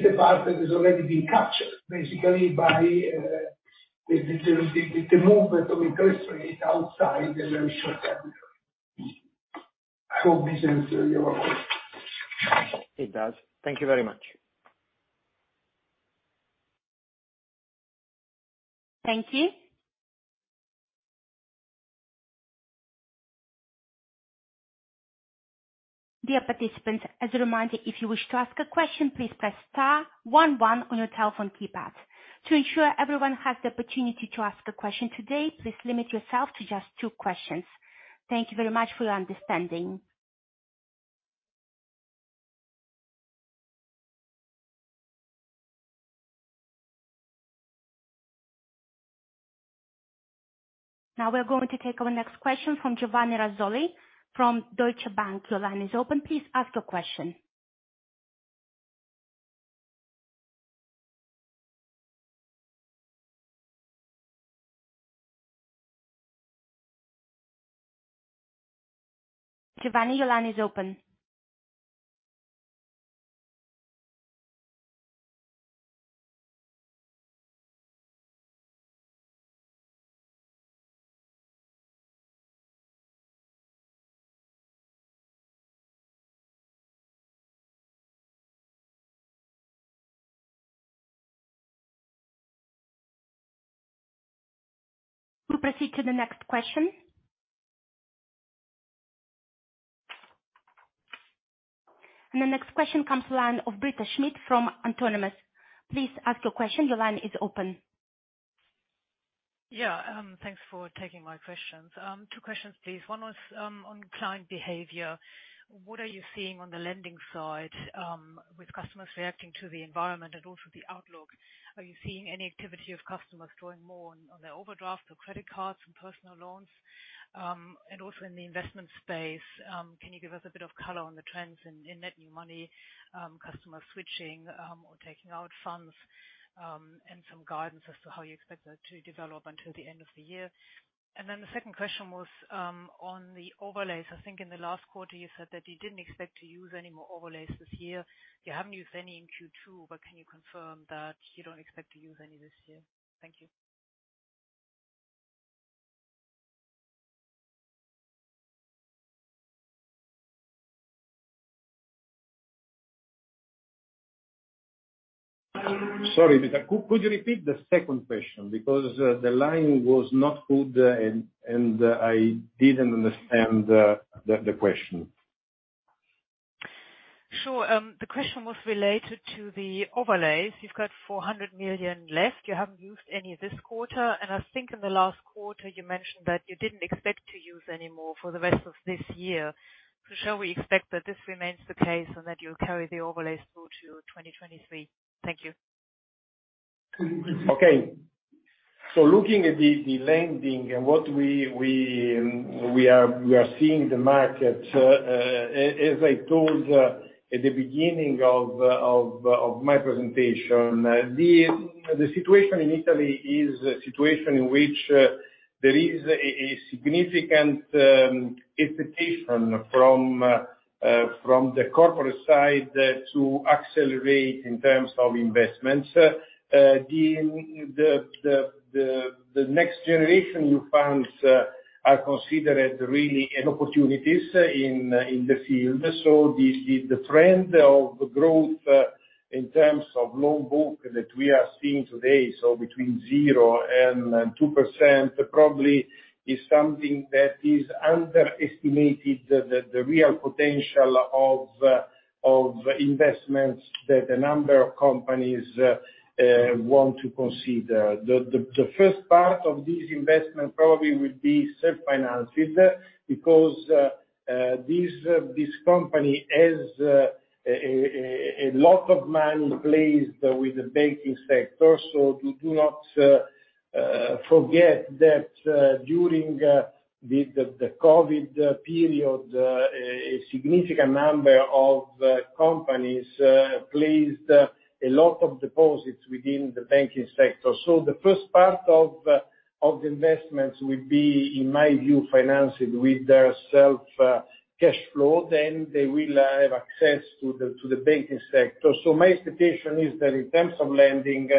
the part that has already been captured basically by the movement of interest rates outside the very short term. I hope this answers your question. It does. Thank you very much. Thank you. Dear participants, as a reminder, if you wish to ask a question, please press star one one on your telephone keypad. To ensure everyone has the opportunity to ask a question today, please limit yourself to just two questions. Thank you very much for your understanding. We're going to take our next question from Giovanni Razzoli from Deutsche Bank. Giovanni is open. Please ask your question. Giovanni, your line is open. We proceed to the next question. The next question comes to line of Britta Schmidt from Autonomous. Please ask your question. Your line is open. Yeah. Thanks for taking my questions. Two questions, please. One was on client behavior. What are you seeing on the lending side with customers reacting to the environment and also the outlook? Are you seeing any activity of customers drawing more on their overdraft or credit cards and personal loans? In the investment space, can you give us a bit of color on the trends in net new money, customers switching or taking out funds, and some guidance as to how you expect that to develop until the end of the year? The second question was on the overlays. I think in the last quarter you said that you didn't expect to use any more overlays this year. You haven't used any in Q2, but can you confirm that you don't expect to use any this year? Thank you. Sorry, Britta. Could you repeat the second question? Because the line was not good, and I didn't understand the question. Sure. The question was related to the overlays. You've got 400 million left. You haven't used any this quarter, and I think in the last quarter you mentioned that you didn't expect to use any more for the rest of this year. For sure we expect that this remains the case and that you'll carry the overlays through to 2023. Thank you. Okay. Looking at the lending and what we are seeing the market, as I told at the beginning of my presentation, the Next Generation EU are considered really an opportunities in the field. This is the trend of growth in terms of loan book that we are seeing today. Between 0% and 2% probably is something that is underestimated, the real potential of investments that a number of companies want to consider. The first part of this investment probably will be self-financed with that because this company has a lot of money placed with the banking sector. We do not forget that, during the COVID period, a significant number of companies placed a lot of deposits within the banking sector. The first part of the investments will be, in my view, financed with their self cash flow, then they will have access to the banking sector. So my expectation is that in terms of lending,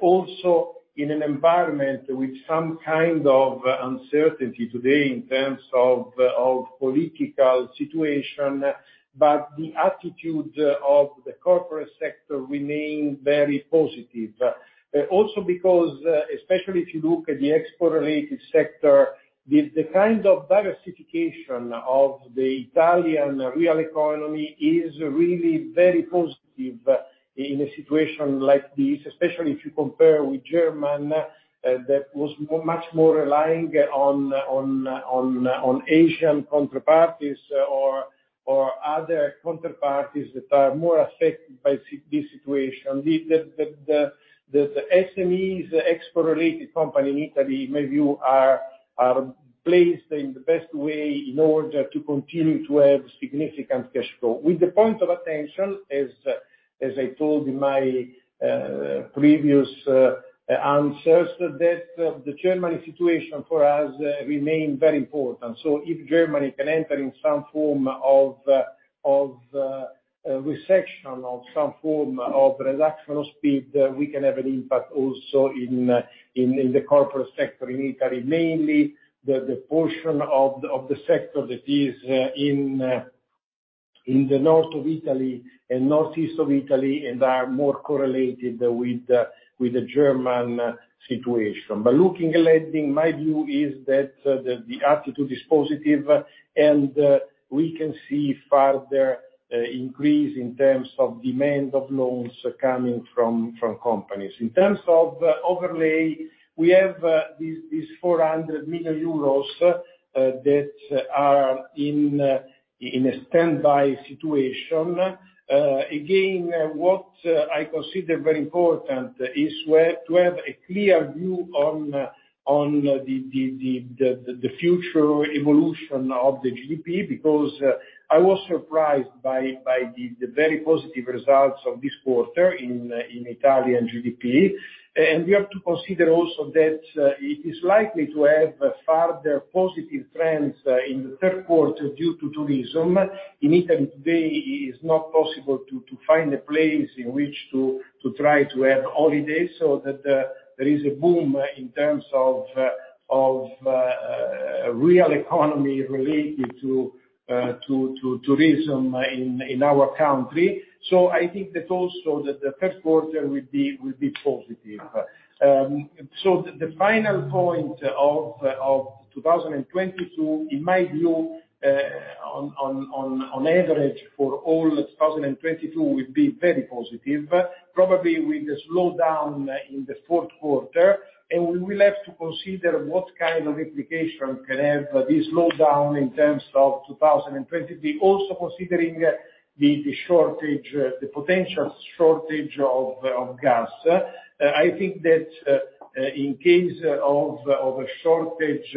also in an environment with some kind of uncertainty today in terms of political situation, but the attitude of the corporate sector remain very positive. Also because, especially if you look at the export-related sector, the kind of diversification of the Italian real economy is really very positive in a situation like this, especially if you compare with Germany that was much more relying on Asian counterparties or other counterparties that are more affected by this situation. The SMEs, the export-related companies in Italy, in my view, are placed in the best way in order to continue to have significant cash flow. With the point of attention, as I told in my previous answers, that the German situation for us remain very important. If Germany can enter in some form of recession or some form of reduction of speed, we can have an impact also in the corporate sector in Italy, mainly the portion of the sector that is in the north of Italy and northeast of Italy, and are more correlated with the German situation. Looking ahead, my view is that the attitude is positive and we can see further increase in terms of demand of loans coming from companies. In terms of overlay, we have these 400 million euros that are in a standby situation. Again, what I consider very important is where to have a clear view on the future evolution of the GDP because I was surprised by the very positive results of this quarter in Italian GDP. We have to consider also that it is likely to have further positive trends in the third quarter due to tourism. In Italy today it is not possible to find a place in which to try to have holidays, so that there is a boom in terms of real economy related to tourism in our country. I think that also that the first quarter will be positive. The final point of 2022, in my view, on average for all 2022 will be very positive, probably with a slowdown in the fourth quarter. We will have to consider what kind of implication can have this slowdown in terms of 2023. Also considering the shortage, the potential shortage of gas. I think that in case of a shortage,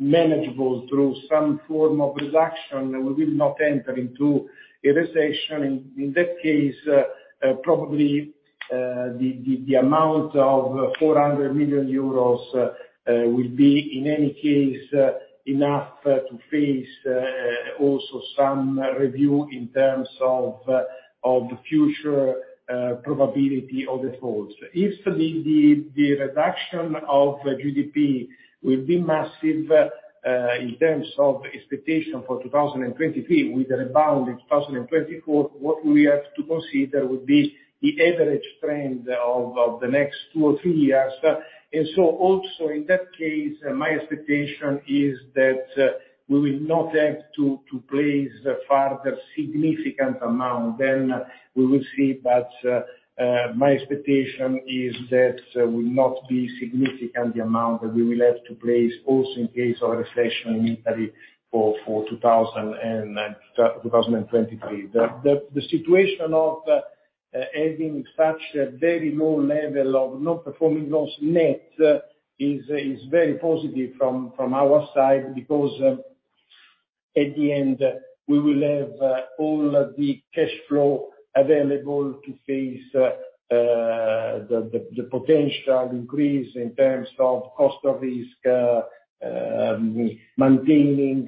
manageable through some form of reduction, we will not enter into a recession. In that case, probably the amount of 400 million euros will be in any case enough to face also some review in terms of future probability of defaults. If the reduction of GDP will be massive, in terms of expectation for 2023 with a rebound in 2024, what we have to consider would be the average trend of the next two or three years. Also in that case, my expectation is that we will not have to place further significant amount. We will see. My expectation is that will not be significant the amount that we will have to place also in case of a recession in Italy for 2023. The situation of having such a very low level of non-performing loans net is very positive from our side because at the end we will have all the cash flow available to face the potential increase in terms of cost of risk, maintaining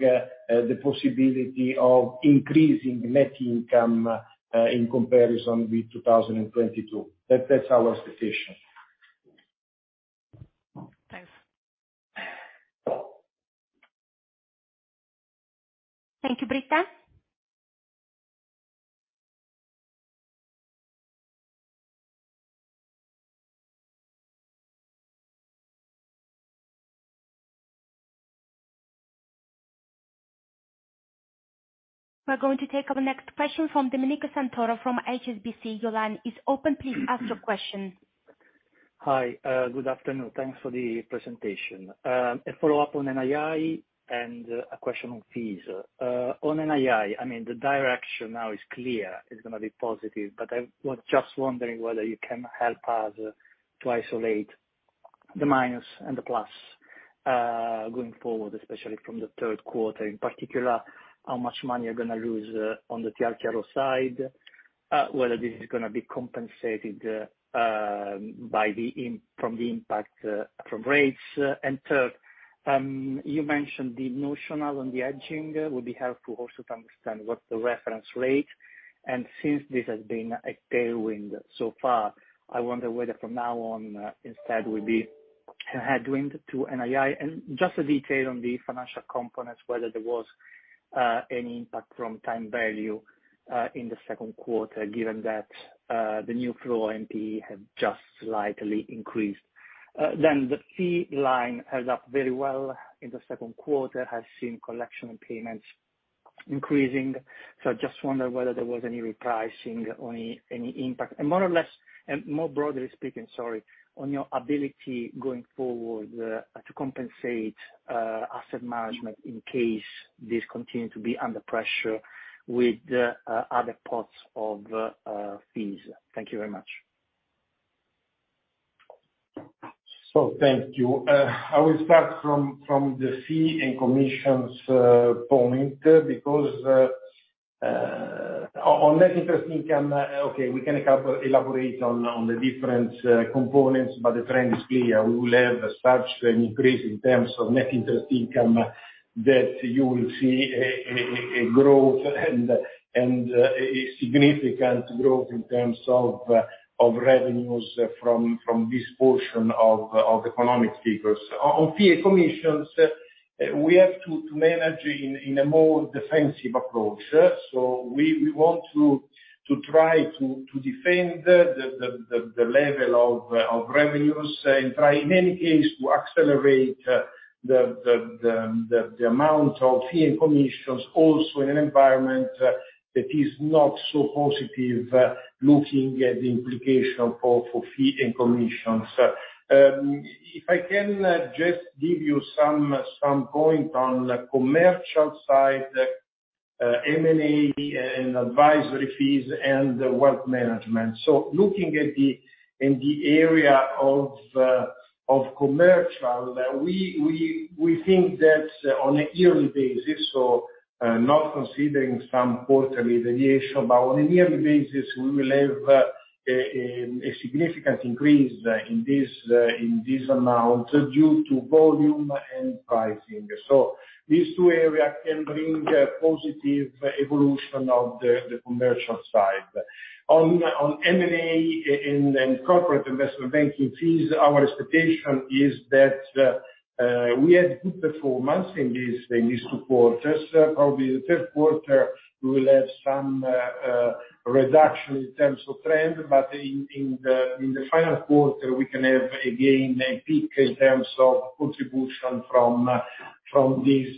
the possibility of increasing net income in comparison with 2022. That's our expectation. Thanks. Thank you, Britta. We're going to take our next question from Domenico Santoro from HSBC. Your line is open. Please ask your question. Hi. Good afternoon. Thanks for the presentation. A follow-up on NII and a question on fees. On NII, I mean, the direction now is clear, it's gonna be positive, but I was just wondering whether you can help us to isolate the minus and the plus, going forward, especially from the third quarter. In particular, how much money you're gonna lose on the TLTRO side, whether this is gonna be compensated by the impact from rates. Third, you mentioned the notional on the hedging. Would be helpful also to understand what's the reference rate. Since this has been a tailwind so far, I wonder whether from now on, instead will be a headwind to NII. Just a detail on the financial components, whether there was any impact from time value in the second quarter, given that the new flow NPE have just slightly increased. The fee line held up very well in the second quarter, has seen collection and payments increasing. I just wonder whether there was any repricing or any impact and more or less, and more broadly speaking, sorry, on your ability going forward to compensate asset management in case this continue to be under pressure with other parts of fees. Thank you very much. Thank you. I will start from the fees and commissions point because on net interest income, we can elaborate on the different components, but the trend is clear. We will have such an increase in terms of net interest income that you will see a growth and a significant growth in terms of revenues from this portion of economic figures. On fees and commissions. We have to manage in a more defensive approach. We want to try to defend the level of revenues and try in any case to accelerate the amount of fees and commissions also in an environment that is not so positive looking at the implication for fees and commissions. If I can just give you some point on the commercial side, M&A and advisory fees and wealth management. Looking at the area of commercial, we think that on a yearly basis, not considering some quarterly variation, but on a yearly basis, we will have a significant increase in this amount due to volume and pricing. These two area can bring a positive evolution of the commercial side. On M&A and corporate investment banking fees, our expectation is that we had good performance in these two quarters. Probably the third quarter we will have some reduction in terms of trend. In the final quarter, we can have again a peak in terms of contribution from these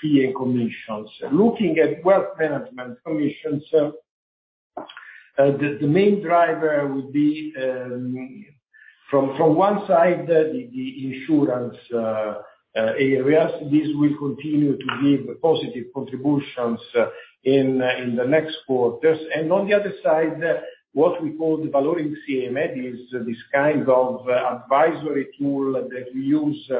fees and commissions. Looking at wealth management commissions, the main driver will be from one side, the insurance areas. This will continue to give positive contributions in the next quarters. On the other side, what we call the Valore Insieme is this kind of advisory tool that we use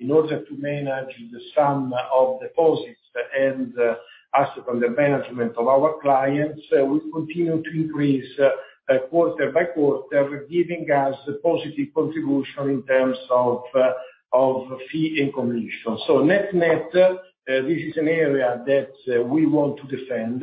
in order to manage the sum of deposits and assets under management of our clients. We continue to increase quarter by quarter, giving us a positive contribution in terms of fees and commissions. Net-net, this is an area that we want to defend.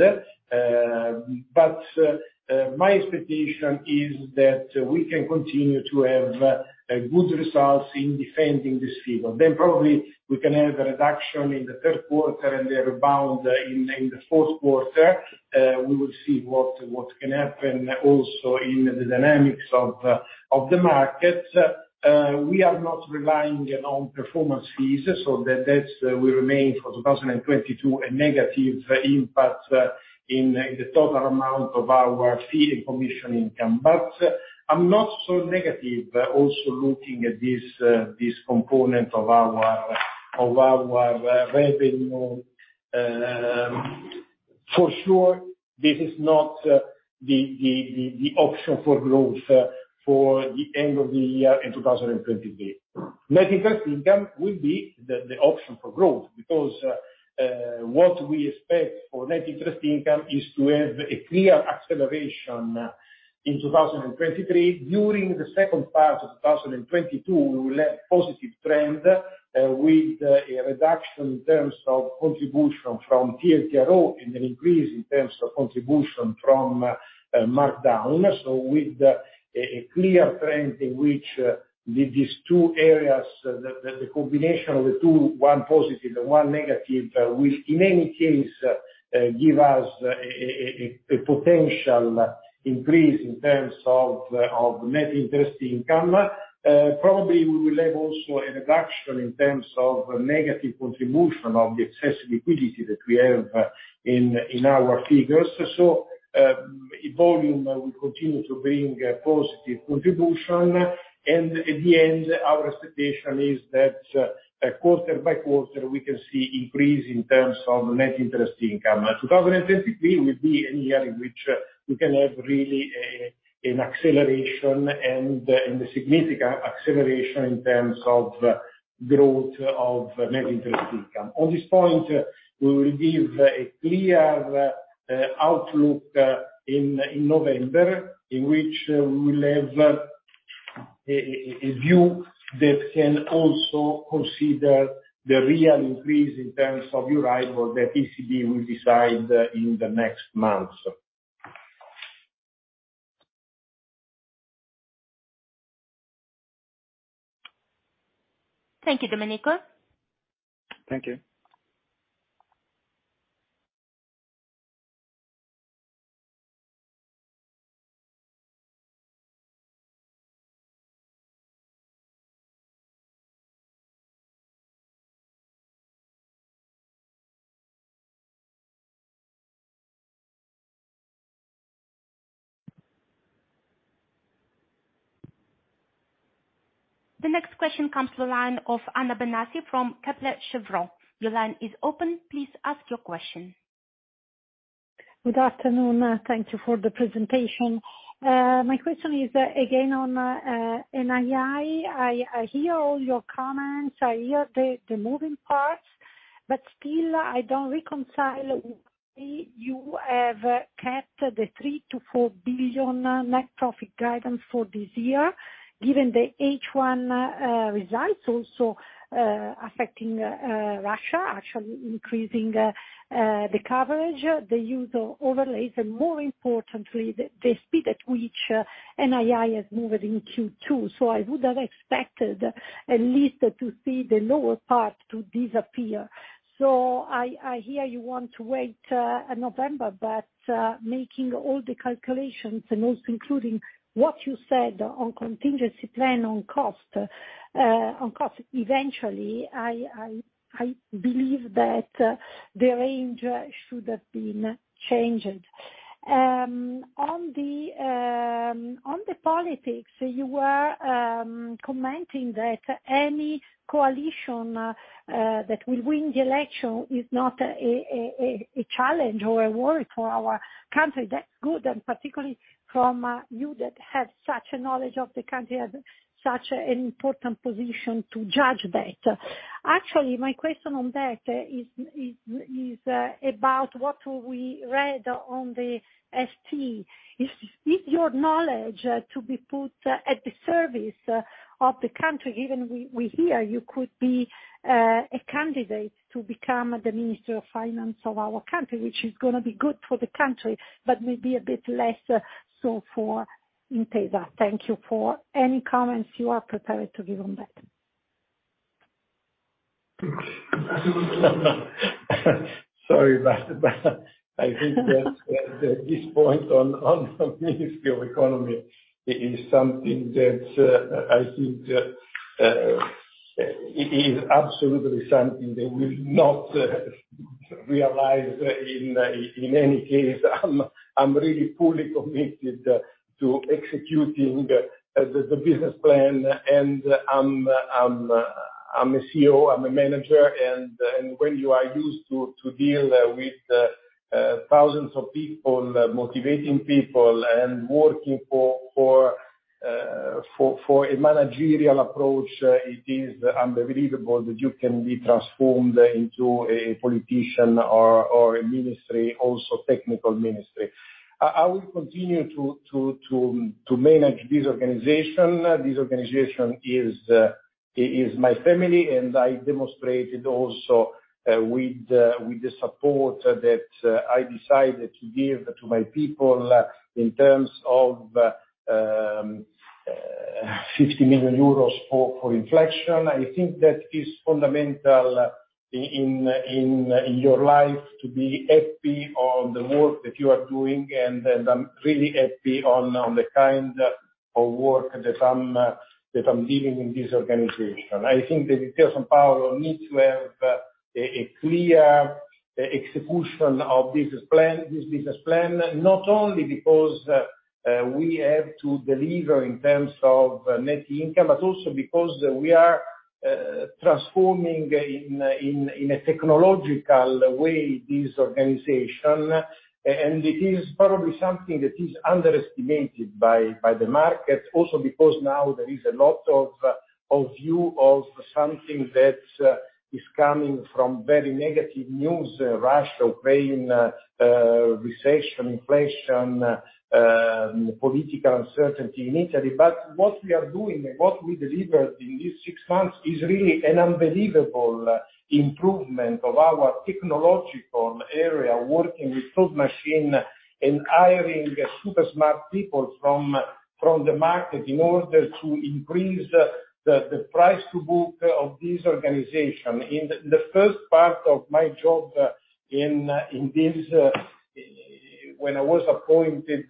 My expectation is that we can continue to have good results in defending this figure. Probably we can have a reduction in the third quarter and a rebound in the fourth quarter. We will see what can happen also in the dynamics of the market. We are not relying on performance fees, so that will remain for 2022 a negative impact in the total amount of our fee and commission income. I'm not so negative also looking at this component of our revenue. For sure this is not the option for growth for the end of the year in 2023. Net interest income will be the option for growth because what we expect for net interest income is to have a clear acceleration in 2023. During the second part of 2022, we will have positive trend with a reduction in terms of contribution from TLTRO and an increase in terms of contribution from markdown. With a clear trend in which these two areas, the combination of the two, one positive, one negative, will in any case give us a potential increase in terms of net interest income. Probably we will have also a reduction in terms of negative contribution of the excess liquidity that we have in our figures. Volume will continue to bring a positive contribution. At the end, our expectation is that quarter by quarter we can see increase in terms of net interest income. 2023 will be a year in which we can have really an acceleration and a significant acceleration in terms of growth of net interest income. On this point, we will give a clear outlook in November, in which we will have a view that can also consider the real increase in terms of EURIBOR that ECB will decide in the next months. Thank you, Domenico. Thank you. The next question comes to the line of Anna Benassi from Kepler Cheuvreux. Your line is open. Please ask your question. Good afternoon. Thank you for the presentation. My question is again on NII. I hear all your comments. I hear the moving parts. But still, I don't reconcile why you have kept the 3 billion-4 billion net profit guidance for this year, given the H1 results also affecting Russia, actually increasing the coverage, the use of overlays, and more importantly, the speed at which NII has moved in Q2. I would have expected at least to see the lower part to disappear. I hear you want to wait November, but making all the calculations and also including what you said on contingency plan on cost, eventually, I believe that the range should have been changed. On the politics, you were commenting that any coalition that will win the election is not a challenge or a worry for our country. That's good, and particularly from you that have such a knowledge of the country, have such an important position to judge that. Actually, my question on that is about what we read on the Sole 24 Ore. Is your knowledge to be put at the service of the country? Given we hear you could be a candidate to become the Minister of Finance of our country, which is gonna be good for the country, but may be a bit less so for Intesa. Thank you for any comments you are prepared to give on that. Sorry, I think that this point on the Ministry of Economy is something that I think it is absolutely something that will not materialize in any case. I am really fully committed to executing the business plan, and I am a CEO, I am a manager. When you are used to deal with thousands of people, motivating people and working for a managerial approach, it is unbelievable that you can be transformed into a politician or a ministry, also technical ministry. I will continue to manage this organization. This organization is my family, and I demonstrated also with the support that I decided to give to my people in terms of 50 million euros for inflation. I think that is fundamental in your life to be happy on the work that you are doing, and I'm really happy on the kind of work that I'm living in this organization. I think that Intesa Sanpaolo needs to have a clear execution of business plan, this business plan, not only because we have to deliver in terms of net income, but also because we are transforming in a technological way this organization. It is probably something that is underestimated by the market also because now there is a lot of view of something that is coming from very negative news, Russia, Ukraine, recession, inflation, political uncertainty in Italy. What we are doing and what we delivered in these six months is really an unbelievable improvement of our technological area, working with Thought Machine and hiring super smart people from the market in order to increase the price to book of this organization. In the first part of my job, in this, when I was appointed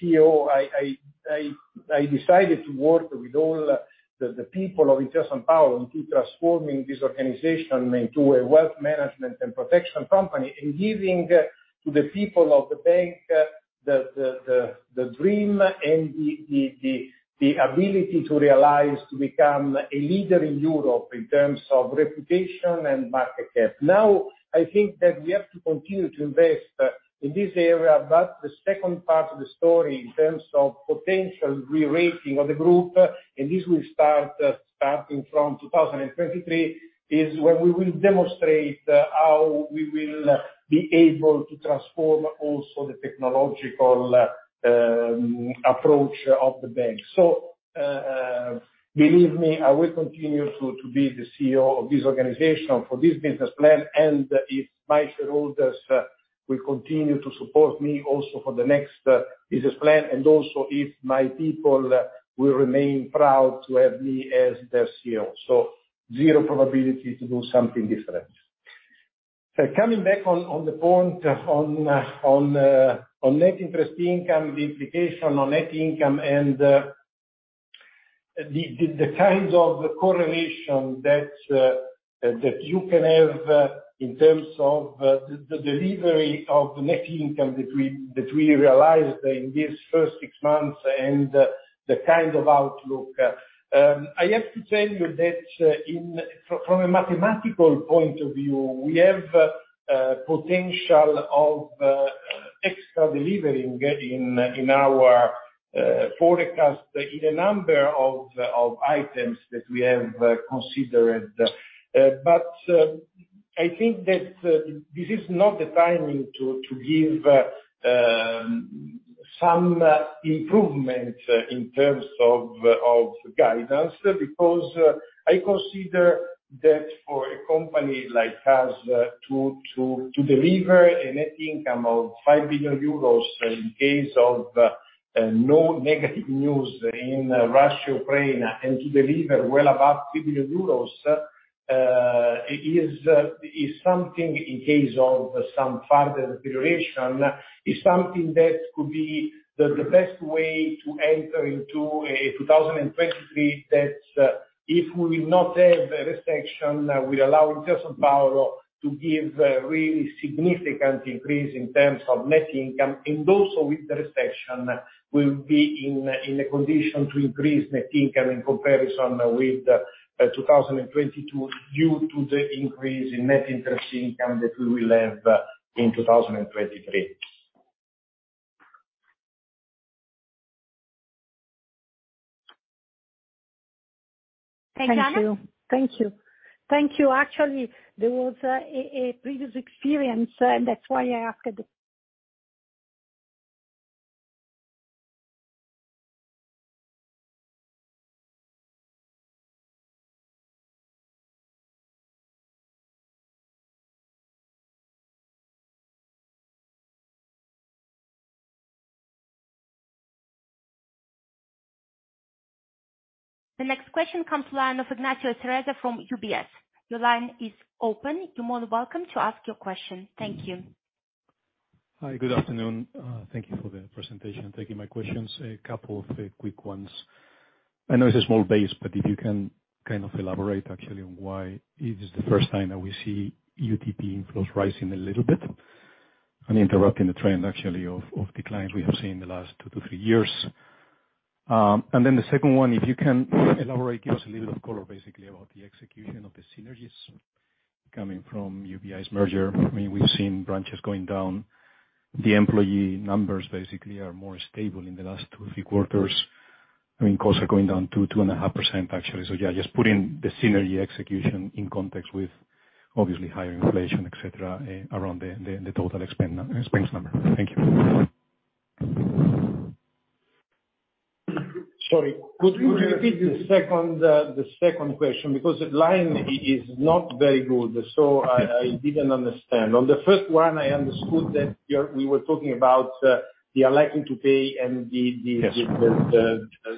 CEO, I decided to work with all the people of Intesa Sanpaolo into transforming this organization into a wealth management and protection company and giving to the people of the bank the dream and the ability to realize, to become a leader in Europe in terms of reputation and market cap. Now, I think that we have to continue to invest in this area, but the second part of the story in terms of potential re-rating of the group, and this will start starting from 2023, is when we will demonstrate how we will be able to transform also the technological approach of the bank. Believe me, I will continue to be the CEO of this organization for this business plan, and if my shareholders will continue to support me also for the next business plan, and also if my people will remain proud to have me as their CEO. Zero probability to do something different. Coming back to the point on net interest income, the implication on net income and the kinds of correlation that you can have in terms of the delivery of the net income that we realized in this first six months and the kind of outlook, I have to tell you that from a mathematical point of view, we have potential for extra delivery in our forecast in a number of items that we have considered. I think that this is not the timing to give some improvement in terms of guidance because I consider that for a company like us to deliver a net income of 5 billion euros in case of no negative news in Russia, Ukraine, and to deliver well above 3 billion euros is something in case of some further deterioration, is something that could be the best way to enter into 2023, that if we will not have a recession will allow Intesa Sanpaolo to give a really significant increase in terms of net income. Also with the recession, we'll be in a condition to increase net income in comparison with 2022 due to the increase in net interest income that we will have in 2023. Thank you. Thank you. Actually, there was a previous experience, and that's why I asked. The next question comes from the line of Ignacio Cerezo from UBS. Your line is open. You're more than welcome to ask your question. Thank you. Hi, good afternoon. Thank you for the presentation. Thank you for my questions. A couple of quick ones. I know it's a small base, but if you can kind of elaborate actually on why it is the first time that we see UTP inflows rising a little bit and interrupting the trend actually of declines we have seen in the last two to three years. And then the second one, if you can elaborate, give us a little bit of color basically about the execution of the synergies coming from UBI's merger. I mean, we've seen branches going down. The employee numbers basically are more stable in the last two, three quarters. I mean, costs are going down 2%-2.5% actually. Yeah, just putting the synergy execution in context with obviously higher inflation, et cetera, around the total expense number. Thank you. Sorry, could you repeat the second question? Because the line is not very good, so I didn't understand. On the first one, I understood that we were talking about the unlikely to pay and the. Yes.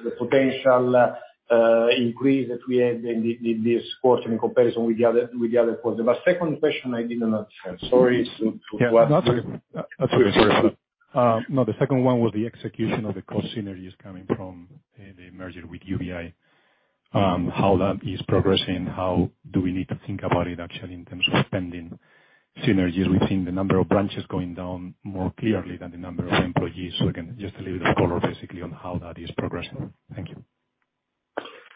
The potential increase that we had in this quarter in comparison with the other quarter. Second question, I did not understand. Sorry. So what- No, the second one was the execution of the cost synergies coming from the merger with UBI, how that is progressing. How do we need to think about it actually in terms of spending synergies? We've seen the number of branches going down more clearly than the number of employees. Again, just a little bit of color basically on how that is progressing. Thank you.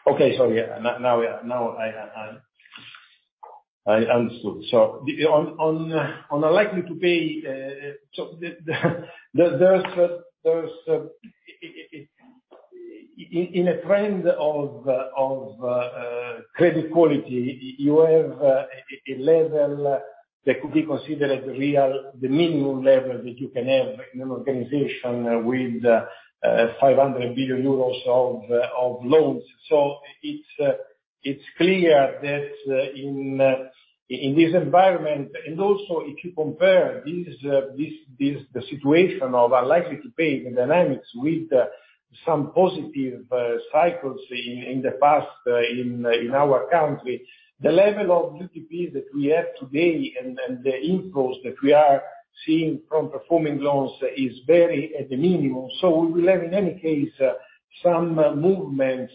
Okay. Sorry. Now I understood. On unlikely to pay, there's a trend of credit quality, you have a level that could be considered the real, the minimum level that you can have in an organization with 500 billion euros of loans. It's clear that in this environment, and also if you compare this, the situation of our unlikely to pay the dynamics with some positive cycles in the past in our country. The level of UTP that we have today and the inflows that we are seeing from performing loans is very at the minimum. We will have, in any case, some movements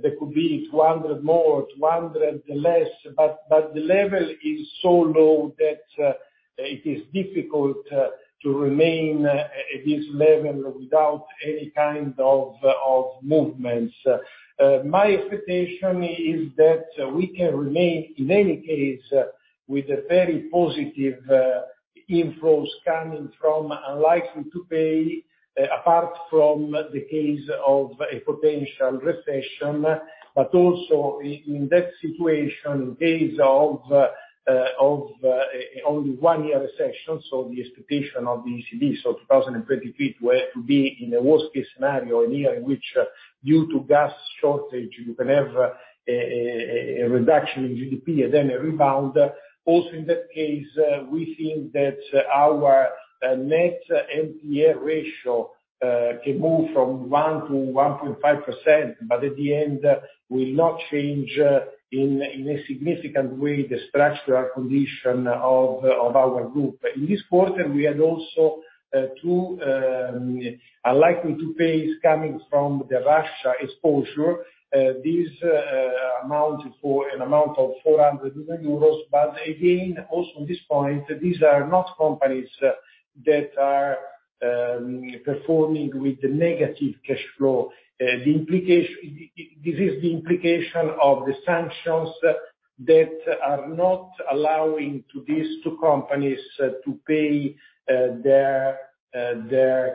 that could be 200 more, 200 less, but the level is so low that it is difficult to remain at this level without any kind of movements. My expectation is that we can remain, in any case, with a very positive inflows coming from unlikely to pay, apart from the case of a potential recession. Also in that situation, in case of only one-year recession, the expectation of the ECB, 2025 to be in a worst case scenario, a year in which, due to gas shortage, you can have a reduction in GDP and then a rebound. In that case, we think that our net NPA ratio can move from 1% to 1.5%, but at the end will not change in a significant way the structural condition of our group. In this quarter, we had also two unlikely to pays coming from the Russia exposure. This amounted to an amount of 400 million euros. But again, also on this point, these are not companies that are performing with negative cash flow. This is the implication of the sanctions that are not allowing these two companies to pay their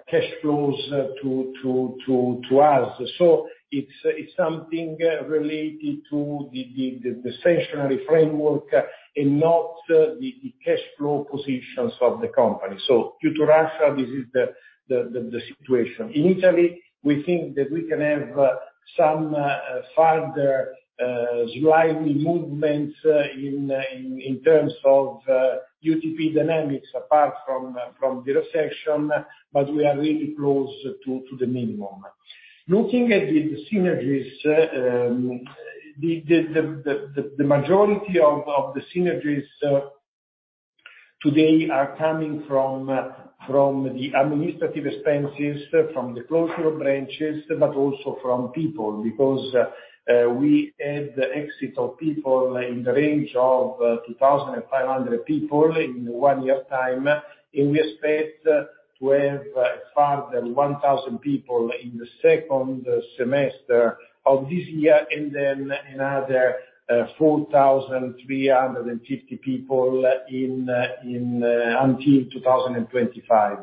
cash flows to us. It's something related to the situational framework and not the cash flow positions of the company. Due to Russia, this is the situation. In Italy, we think that we can have some further slight movements in terms of UTP dynamics apart from the recession, but we are really close to the minimum. Looking at the synergies, the majority of the synergies today are coming from the administrative expenses, from the closure of branches, but also from people because we had the exit of people in the range of 2,500 people in one year time. We expect to have further 1,000 people in the second semester of this year and then another 4,350 people in until 2025.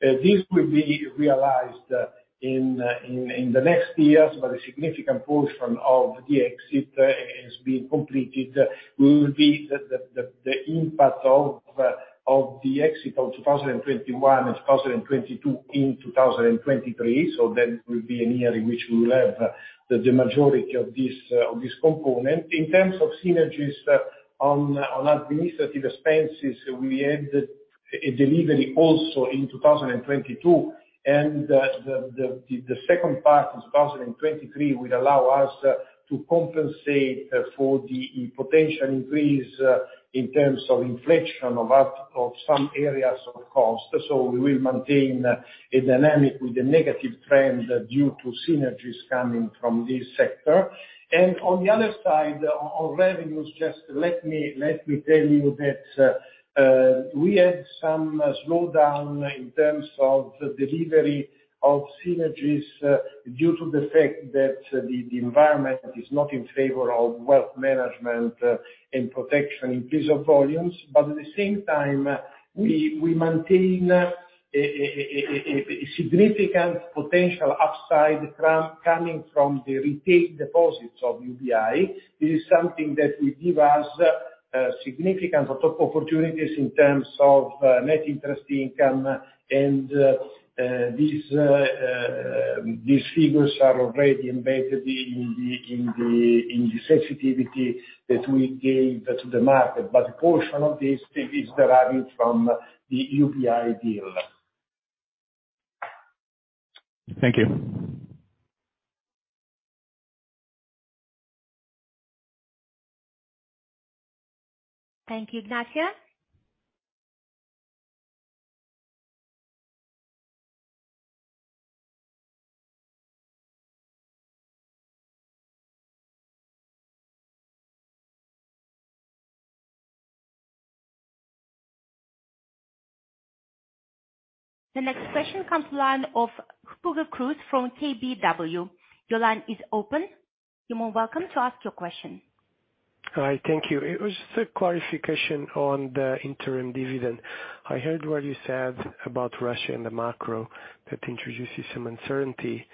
This will be realized in the next years but a significant portion of the exit is being completed will be the impact of the exit of 2021, 2022 in 2023. That will be a year in which we will have the majority of this component. In terms of synergies on administrative expenses, we had a delivery also in 2022. The second part in 2023 will allow us to compensate for the potential increase in terms of inflation of some areas of cost. We will maintain a dynamic with a negative trend due to synergies coming from this sector. On the other side, on revenues, just let me tell you that we had some slowdown in terms of delivery of synergies due to the fact that the environment is not in favor of wealth management and protection increase of volumes. At the same time, we maintain a significant potential upside coming from the retail deposits of UBI. This is something that will give us significant opportunities in terms of net interest income and these figures are already embedded in the sensitivity that we gave to the market. A portion of this is derived from the UBI deal. Thank you. Thank you, Ignacio. The next question comes from the line of Hugo Cruz from KBW. Your line is open. You're more than welcome to ask your question. All right, thank you. It was just a clarification on the interim dividend. I heard what you said about Russia and the macro that introduces some uncertainty.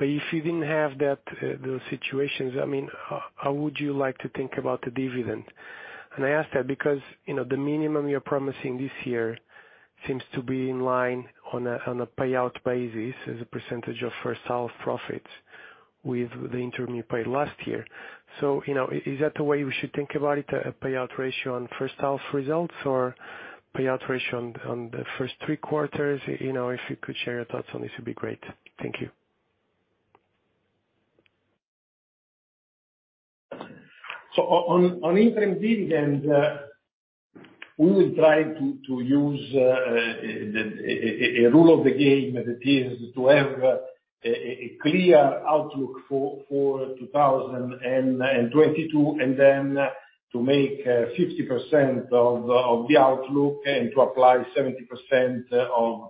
If you didn't have that, those situations, I mean, how would you like to think about the dividend? I ask that because, you know, the minimum you're promising this year seems to be in line on a payout basis as a percentage of first half profits with the interim you paid last year. You know, is that the way we should think about it, a payout ratio on first half results or payout ratio on the first three quarters? You know, if you could share your thoughts on this, it'd be great. Thank you. On interim dividend, we will try to use a rule of the game that is to have a clear outlook for 2022, and then to make 50% of the outlook and to apply 70%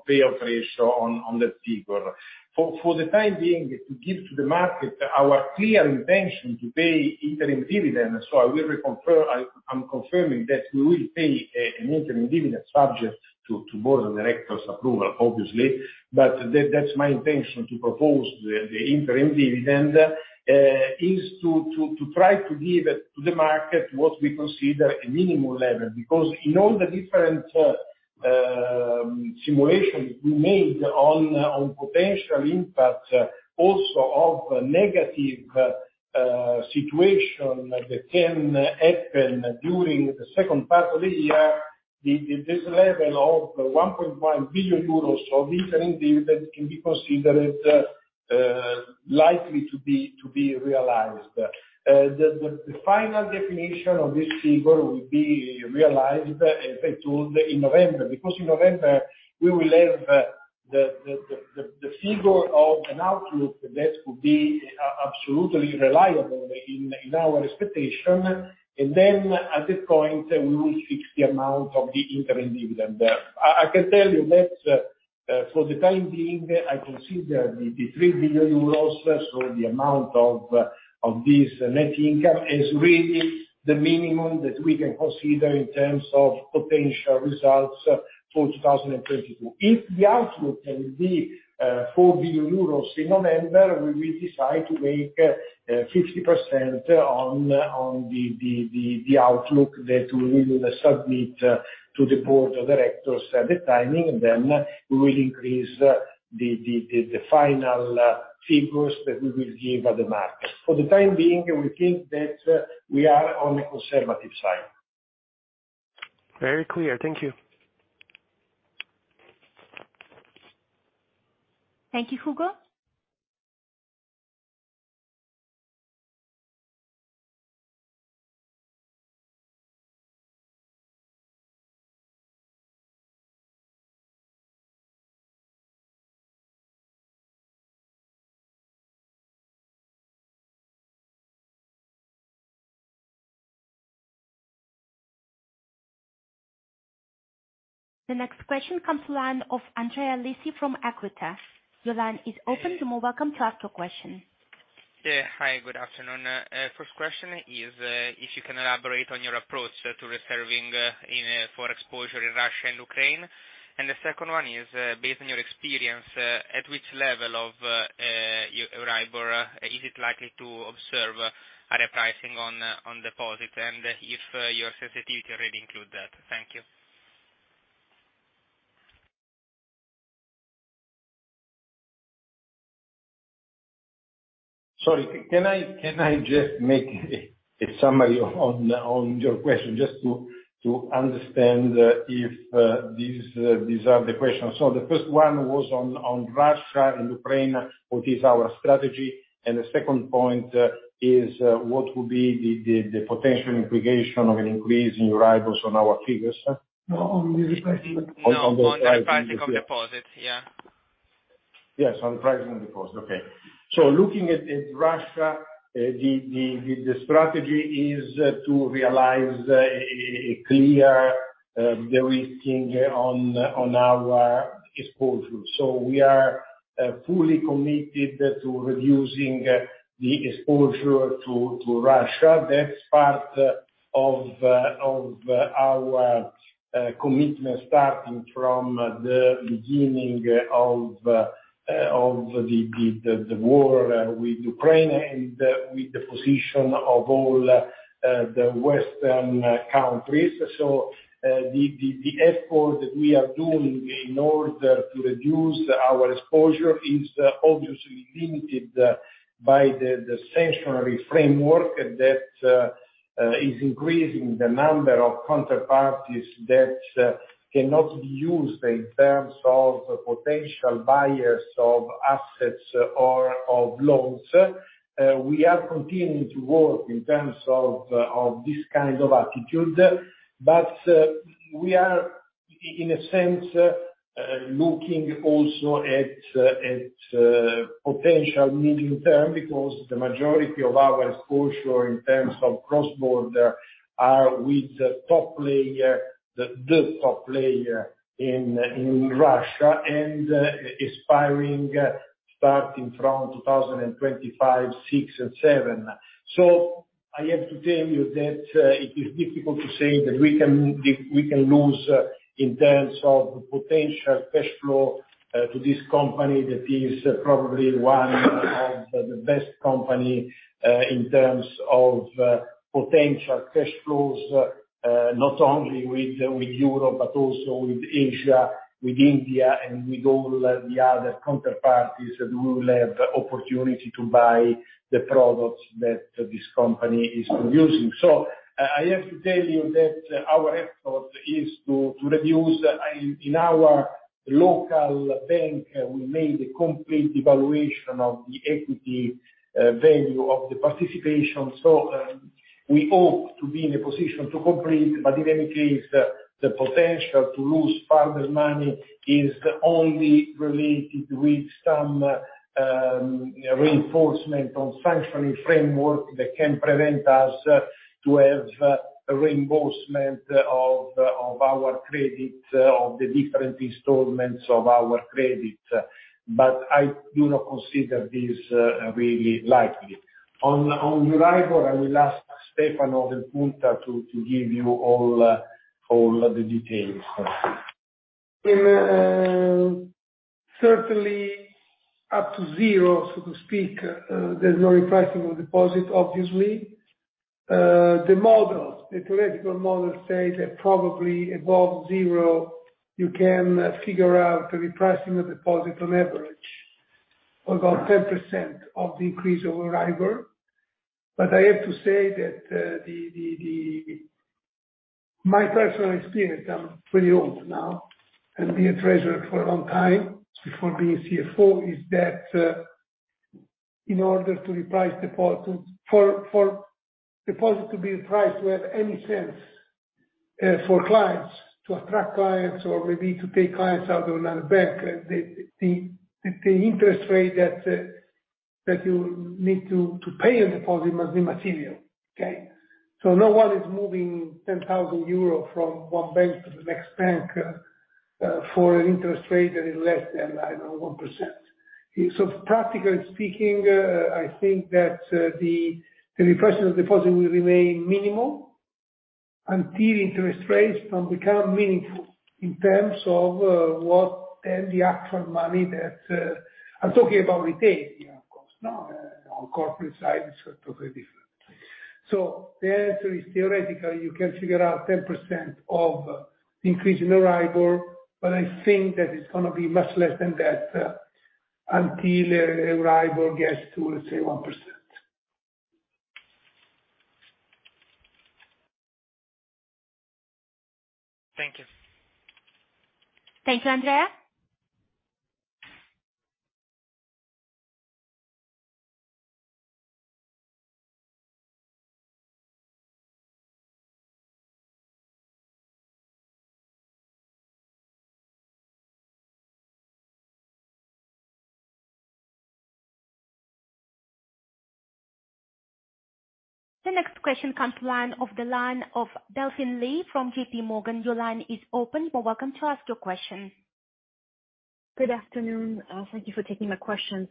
payout ratio on that figure. For the time being, to give to the market our clear intention to pay interim dividend, I am confirming that we will pay an interim dividend subject to board of directors approval, obviously. That's my intention to propose the interim dividend is to try to give to the market what we consider a minimum level. Because in all the different simulations we made on potential impact also of negative situation that can happen during the second part of the year, this level of 1.1 billion euros of interim dividend can be considered likely to be realized. The final definition of this figure will be realized, as I told, in November. Because in November we will have the figure of an outlook that could be absolutely reliable. In our expectation, and then at this point, we will fix the amount of the interim dividend that I can tell you that, for the time being, I consider the 3 billion euros. The amount of this net income is really the minimum that we can consider in terms of potential results for 2022. If the outlook can be 4 billion euros in November, we will decide to make 50% on the outlook that we will submit to the board of directors at the timing, then we will increase the final figures that we will give at the market. For the time being, we think that we are on the conservative side. Very clear. Thank you. Thank you, Hugo. The next question comes from the line of Andrea Lisi from Equita. Your line is open. You're welcome to ask your question. Hi, good afternoon. First question is, if you can elaborate on your approach to reserving for exposure in Russia and Ukraine. Second one is, based on your experience, at which level of your EURIBOR is it likely to observe a repricing on deposit? If your sensitivity already include that. Thank you. Sorry, can I just make a summary on your question just to understand if these are the questions. The first one was on Russia and Ukraine, what is our strategy? The second point is what will be the potential implication of an increase in arrivals on our figures. No, on repricing. No, on repricing of deposits. Yeah. Yes. On pricing of deposits. Okay. Looking at Russia, the strategy is to realize a clear de-risking on our exposure. We are fully committed to reducing the exposure to Russia. That's part of our commitment starting from the beginning of the war with Ukraine and with the position of all the Western countries. The effort that we are doing in order to reduce our exposure is obviously limited by the sanctions framework that is increasing the number of counterparties that cannot be used in terms of potential buyers of assets or of loans. We are continuing to work in terms of this kind of attitude, but we are in a sense looking also at potential medium-term, because the majority of our exposure in terms of cross-border are with top player, the top player in Russia and expiring starting from 2025, 2026 and 2027. I have to tell you that it is difficult to say that we can lose in terms of potential cash flow to this company that is probably one of the best company in terms of potential cash flows not only with Europe but also with Asia, with India and with all the other counterparties that will have the opportunity to buy the products that this company is producing. I have to tell you that our effort is to reduce in our local bank. We made a complete evaluation of the equity value of the participation. We hope to be in a position to complete, but in any case, the potential to lose further money is only related with some reinforcement on sanctioning framework that can prevent us to have a reimbursement of our credit, of the different installments of our credit. I do not consider this really likely. On your EURIBOR, I will ask Stefano Del Punta to give you all the details. Indeed, certainly up to zero, so to speak, there's no repricing of deposit, obviously. The models, the theoretical models say that probably above zero, you can figure out the repricing of deposit on average of about 10% of the increase of EURIBOR. I have to say that, my personal experience, I'm pretty old now, and being a treasurer for a long time before being CFO, is that, in order to reprice deposit for deposit to be repriced to have any sense. For clients to attract clients or maybe to take clients out of another bank, the interest rate that you need to pay a deposit must be material. Okay. No one is moving 10,000 euro from one bank to the next bank for an interest rate that is less than, I don't know, 1%. Practically speaking, I think that the repression of deposit will remain minimal until interest rates become meaningful in terms of what and the actual money that I'm talking about retail here, of course. Now, on corporate side, it's totally different. The answer is theoretically you can figure out 10% of increase in the yield, but I think that it's gonna be much less than that until yield gets to, let's say, 1%. Thank you. Thank you, Andrea. The next question comes from the line of Delphine Lee from JPMorgan. Your line is open. You're welcome to ask your question. Good afternoon. Thank you for taking my questions.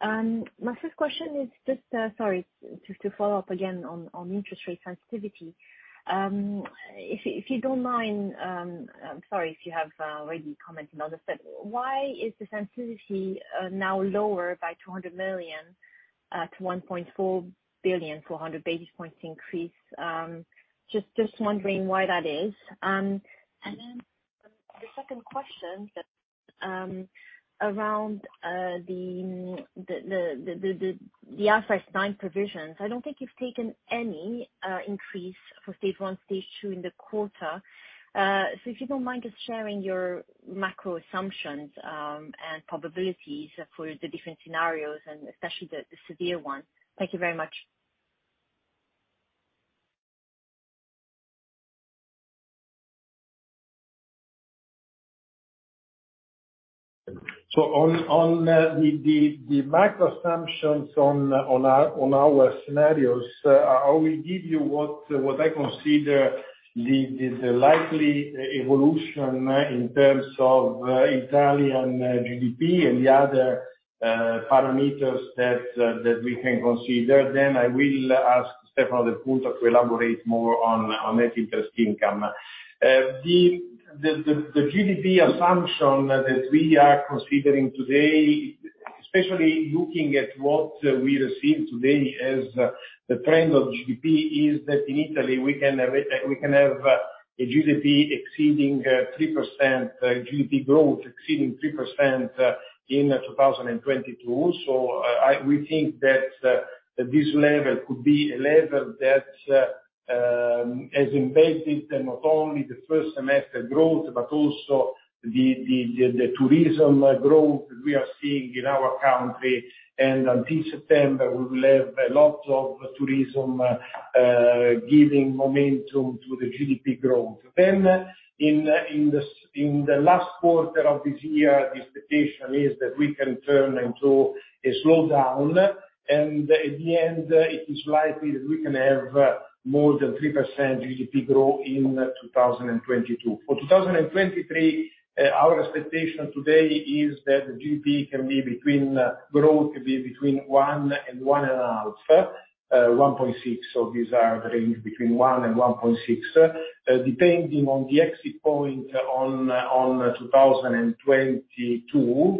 My first question is just, sorry, just to follow up again on interest rate sensitivity. If you don't mind, I'm sorry if you have already commented on this, but why is the sensitivity now lower by 200 million to 1.4 billion for a 100 basis points increase? Just wondering why that is. And then the second question around the IFRS 9 provisions, I don't think you've taken any increase for stage one, stage two in the quarter. So if you don't mind just sharing your macro assumptions and probabilities for the different scenarios and especially the severe ones. Thank you very much. On the macro assumptions on our scenarios, I will give you what I consider the likely evolution in terms of Italian GDP and the other parameters that we can consider. I will ask Stefano Del Punta to elaborate more on net interest income. The GDP assumption that we are considering today, especially looking at what we receive today as the trend of GDP, is that in Italy we can have a GDP exceeding 3%, GDP growth exceeding 3% in 2022. We think that this level could be a level that has invaded not only the first semester growth, but also the tourism growth we are seeing in our country. Until September, we will have a lot of tourism giving momentum to the GDP growth. In the last quarter of this year, the expectation is that we can turn into a slowdown, and at the end it is likely that we can have more than 3% GDP growth in 2022. For 2023, our expectation today is that the GDP can be between, be between 1% and 1.5%, 1.6%. These are the range between 1% and 1.6%, depending on the exit point on 2022.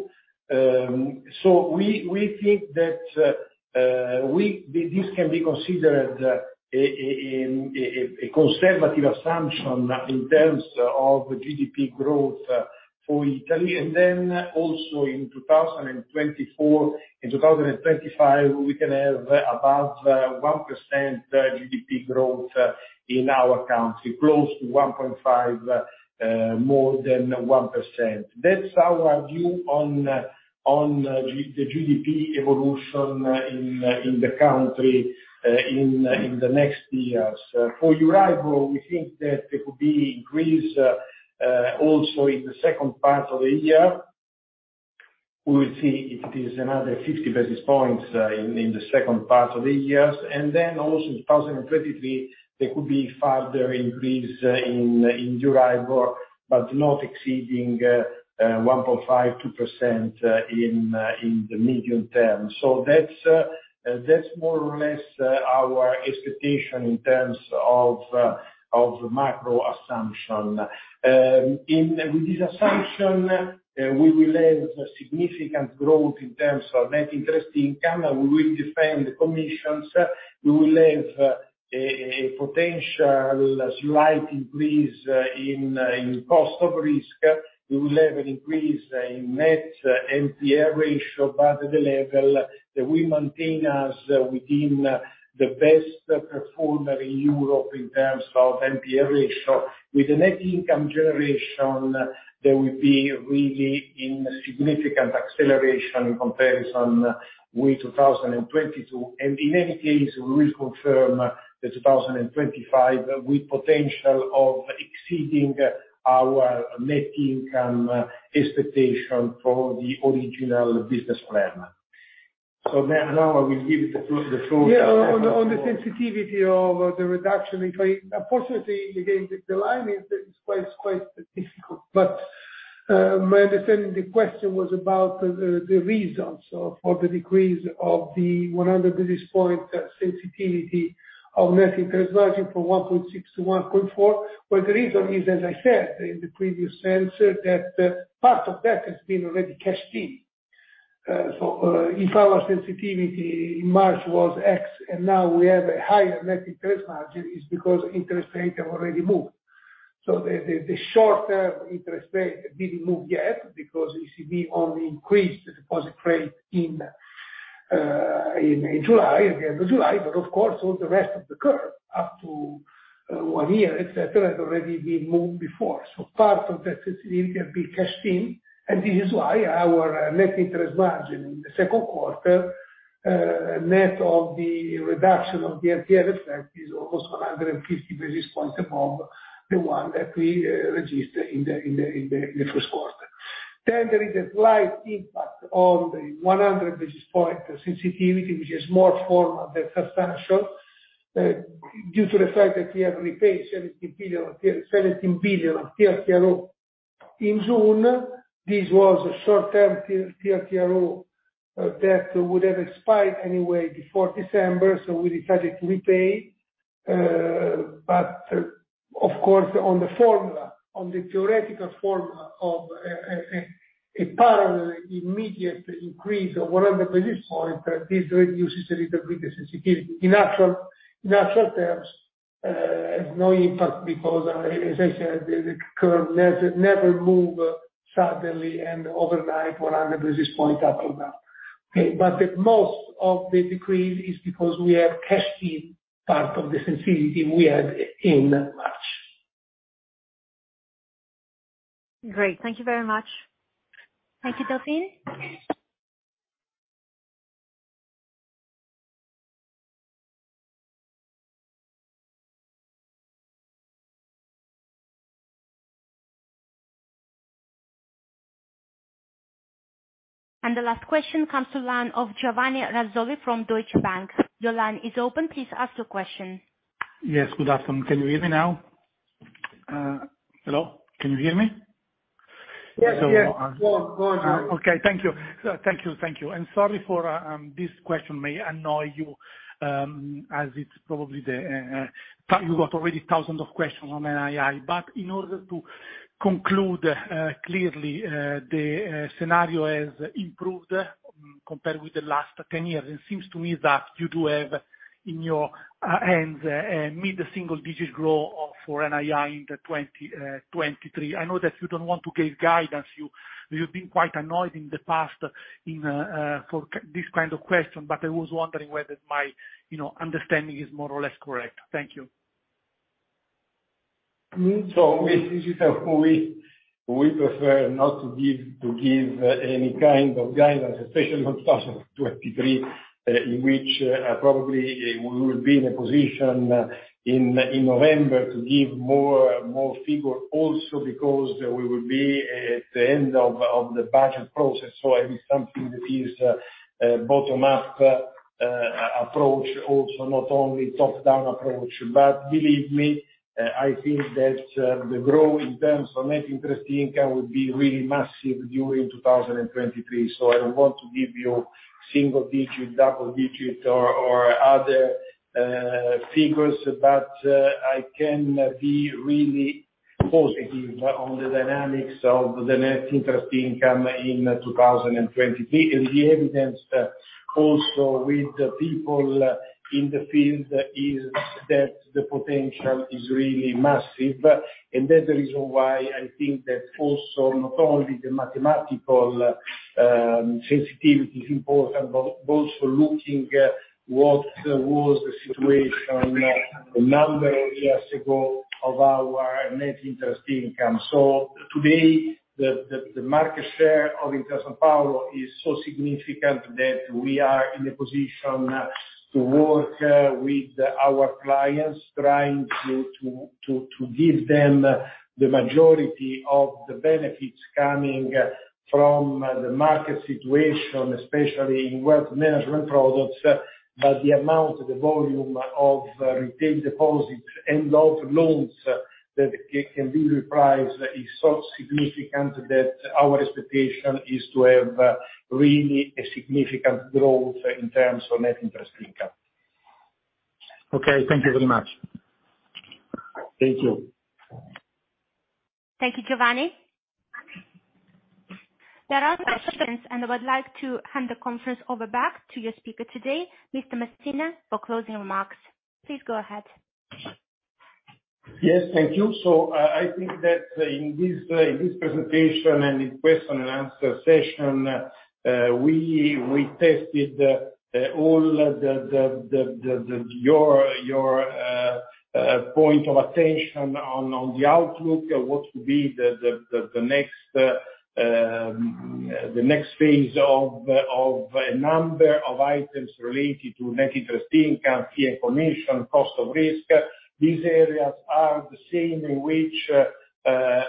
This can be considered a conservative assumption in terms of GDP growth for Italy. Also in 2024 and 2025, we can have about 1% GDP growth in our country, close to 1.5%, more than 1%. That's our view on the GDP evolution in the country in the next years. For EURIBOR we think that it could be increased also in the second part of the year. We will see if it is another 50 basis points in the second part of the year. In 2023, there could be further increase in EURIBOR, but not exceeding 1.5%-2% in the medium term. That's more or less our expectation in terms of macro assumption. With this assumption, we will have significant growth in terms of net interest income, and we will defend the commissions. We will have a potential slight increase in cost of risk. We will have an increase in net NPE ratio, but at the level that we maintain us within the best performer in Europe in terms of NPE ratio. With the net income generation, there will be really in significant acceleration comparison with 2022. In any case, we will confirm that 2025, with potential of exceeding our net income expectation for the original business plan. Now I will give the full. On the sensitivity of the reduction in credit. Unfortunately, again, the line is quite difficult. But my understanding the question was about the reasons for the decrease of the 100 basis point sensitivity of net interest margin from 1.6% to 1.4%. Well, the reason is, as I said in the previous answer, that part of that has been already cashed in. So, if our sensitivity in March was X and now we have a higher net interest margin, is because interest rates have already moved. The short-term interest rate didn't move yet because ECB only increased the deposit rate in July, end of July. Of course, all the rest of the curve up to one year, et cetera, had already been moved before. Part of that sensitivity can be cashed in, and this is why our net interest margin in the second quarter, net of the reduction of the NPL effect, is almost 150 basis points above the one that we registered in the first quarter. There is a slight impact on the 100 basis point sensitivity, which is more formal than substantial, due to the fact that we have repaid 70 billion of TLTRO in June. This was a short-term TLTRO that would have expired anyway before December, so we decided to repay. Of course, on the formula, on the theoretical formula of a parallel immediate increase of 100 basis points, this reduces a little bit the sensitivity. In actual terms, has no impact because, as I said, the curve never move suddenly and overnight 100 basis points up or down. Okay. Most of the decrease is because we have cashed in part of the sensitivity we had in March. Great. Thank you very much. Thank you. Delphine? The last question comes from the line of Giovanni Razzoli from Deutsche Bank. Your line is open. Please ask your question. Yes, good afternoon. Can you hear me now? Hello? Can you hear me? Yes. Go on. Okay. Thank you. Sorry for this question. It may annoy you, as it's probably that you've already got thousands of questions on NII. In order to conclude clearly, the scenario has improved compared with the last 10 years. It seems to me that you do have in your hands a mid- to single-digit growth for NII in 2023. I know that you don't want to give guidance. You've been quite annoyed in the past for this kind of question, but I was wondering whether my, you know, understanding is more or less correct. Thank you. This is a point we prefer not to give any kind of guidance, especially for 2023, in which probably we will be in a position in November to give more figures also because we will be at the end of the budget process. It is something that is a bottom up approach also, not only top down approach. Believe me, I think that the growth in terms of net interest income would be really massive during 2023. I don't want to give you single digit, double digit or other figures, but I can be really positive on the dynamics of the net interest income in 2023. The evidence also with the people in the field is that the potential is really massive. That's the reason why I think that also not only the mathematical sensitivity is important, but also looking at what was the situation a number of years ago of our net interest income. Today the market share of Intesa Sanpaolo is so significant that we are in a position to work with our clients, trying to give them the majority of the benefits coming from the market situation, especially in wealth management products. The amount of the volume of retail deposits and of loans that can be repriced is so significant that our expectation is to have really a significant growth in terms of net interest income. Okay. Thank you very much. Thank you. Thank you, Giovanni. There are no more questions, and I would like to hand the conference over back to your speaker today, Mr. Messina, for closing remarks. Please go ahead. Yes, thank you. I think that in this presentation and in question-and-answer session, we tested all your points of attention on the outlook of what could be the next phase of a number of items related to net interest income, fees and commissions, cost of risk. These areas are the same in which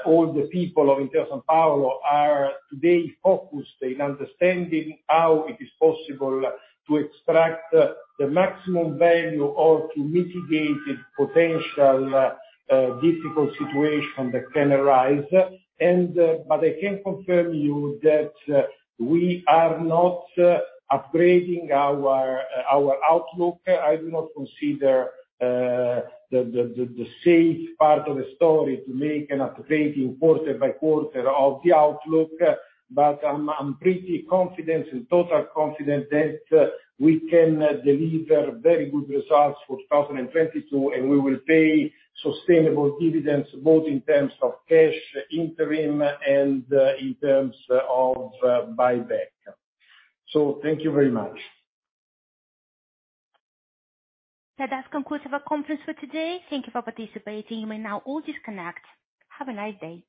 all the people of Intesa Sanpaolo are today focused in understanding how it is possible to extract the maximum value or to mitigate the potential difficult situation that can arise. I can confirm to you that we are not upgrading our outlook. I do not consider the safe part of the story to make an upgrading quarter by quarter of the outlook. I'm pretty confident and totally confident that we can deliver very good results for 2022, and we will pay sustainable dividends, both in terms of cash interim and in terms of buyback. Thank you very much. That concludes our conference for today. Thank you for participating. You may now all disconnect. Have a nice day.